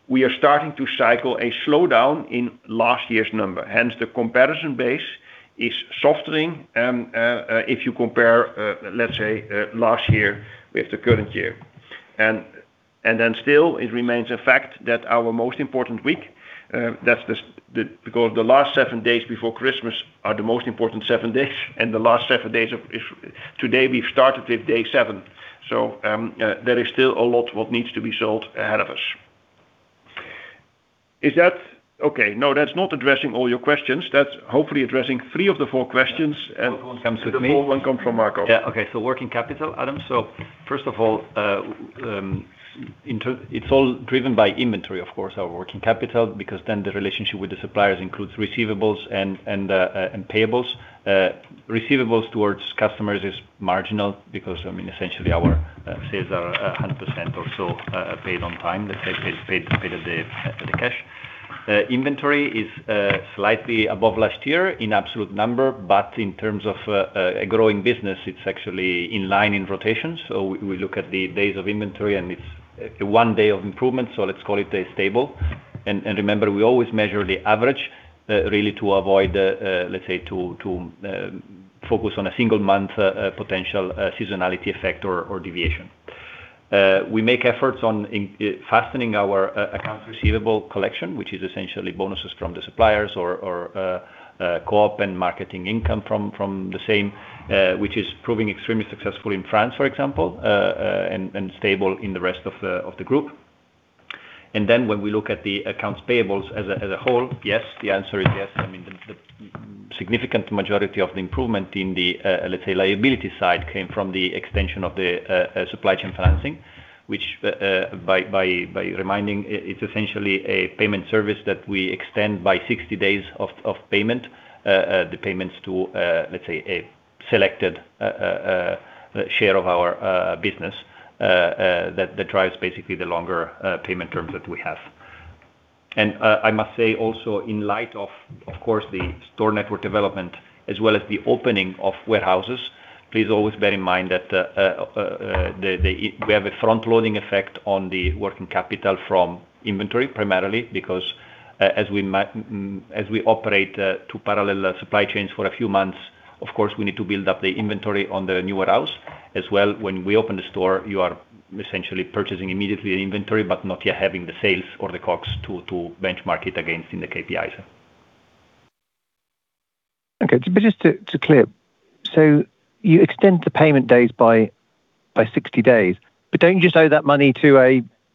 Speaker 2: we are starting to cycle a slowdown in last year's number. Hence, the comparison base is softening if you compare, let's say, last year with the current year. And then still, it remains a fact that our most important week, that's because the last seven days before Christmas are the most important seven days. And the last seven days of today, we've started with day seven. So there is still a lot what needs to be sold ahead of us. Is that okay? No, that's not addressing all your questions. That's hopefully addressing three of the four questions. And the fourth one comes from Marco.
Speaker 3: Yeah. Okay. So working capital, Adam. So first of all, it's all driven by inventory, of course, our working capital, because then the relationship with the suppliers includes receivables and payables. Receivables towards customers is marginal because, I mean, essentially, our sales are 100% or so paid on time, let's say, paid at the cash. Inventory is slightly above last year in absolute number, but in terms of a growing business, it's actually in line in rotation. So we look at the days of inventory, and it's one day of improvement. So let's call it a stable. And remember, we always measure the average really to avoid, let's say, to focus on a single month potential seasonality effect or deviation. We make efforts on fastening our accounts receivable collection, which is essentially bonuses from the suppliers or co-op and marketing income from the same, which is proving extremely successful in France, for example, and stable in the rest of the group. And then when we look at the accounts payable as a whole, yes, the answer is yes. I mean, the significant majority of the improvement in the, let's say, liability side came from the extension of the supply chain financing, which by reminding, it's essentially a payment service that we extend by 60 days of payment, the payments to, let's say, a selected share of our business that drives basically the longer payment terms that we have. I must say also, in light of, of course, the store network development as well as the opening of warehouses, please always bear in mind that we have a front-loading effect on the working capital from inventory primarily because as we operate two parallel supply chains for a few months, of course, we need to build up the inventory on the new warehouse. As well, when we open the store, you are essentially purchasing immediately the inventory, but not yet having the sales or the COGS to benchmark it against in the KPIs.
Speaker 8: Okay. Just to clear, so you extend the payment days by 60 days, but don't you just owe that money to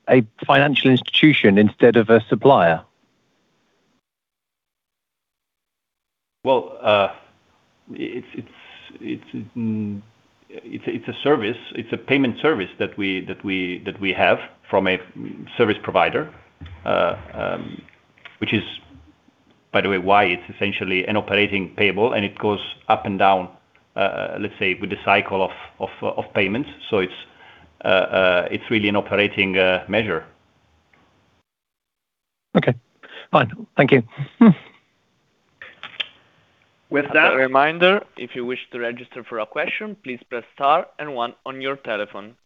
Speaker 8: a financial institution instead of a supplier?
Speaker 3: Well, it's a service. It's a payment service that we have from a service provider, which is, by the way, why it's essentially an operating payable. It goes up and down, let's say, with the cycle of payments. So it's really an operating measure.
Speaker 8: Okay. Fine. Thank you.
Speaker 1: With that reminder, if you wish to register for a question, please press star and one on your telephone.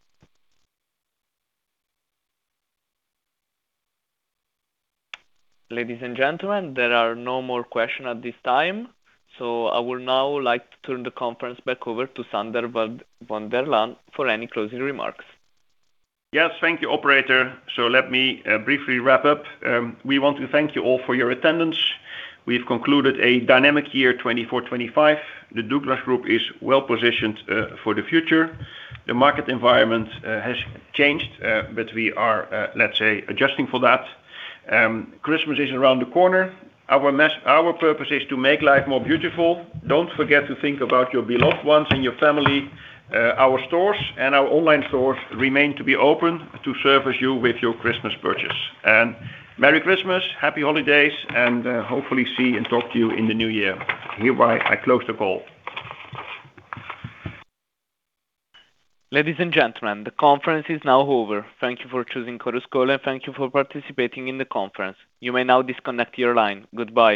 Speaker 1: Ladies and gentlemen, there are no more questions at this time. So I would now like to turn the conference back over to Sander van der Laan for any closing remarks.
Speaker 2: Yes. Thank you, operator. So let me briefly wrap up. We want to thank you all for your attendance. We've concluded a dynamic year 2024-2025. The Douglas Group is well positioned for the future. The market environment has changed, but we are, let's say, adjusting for that. Christmas is around the corner. Our purpose is to make life more beautiful. Don't forget to think about your beloved ones and your family. Our stores and our online stores remain to be open to service you with your Christmas purchase, and Merry Christmas, happy holidays, and hopefully see and talk to you in the new year. Hereby, I close the call.
Speaker 1: Ladies and gentlemen, the conference is now over. Thank you for choosing Chorus Call and thank you for participating in the conference. You may now disconnect your line. Goodbye.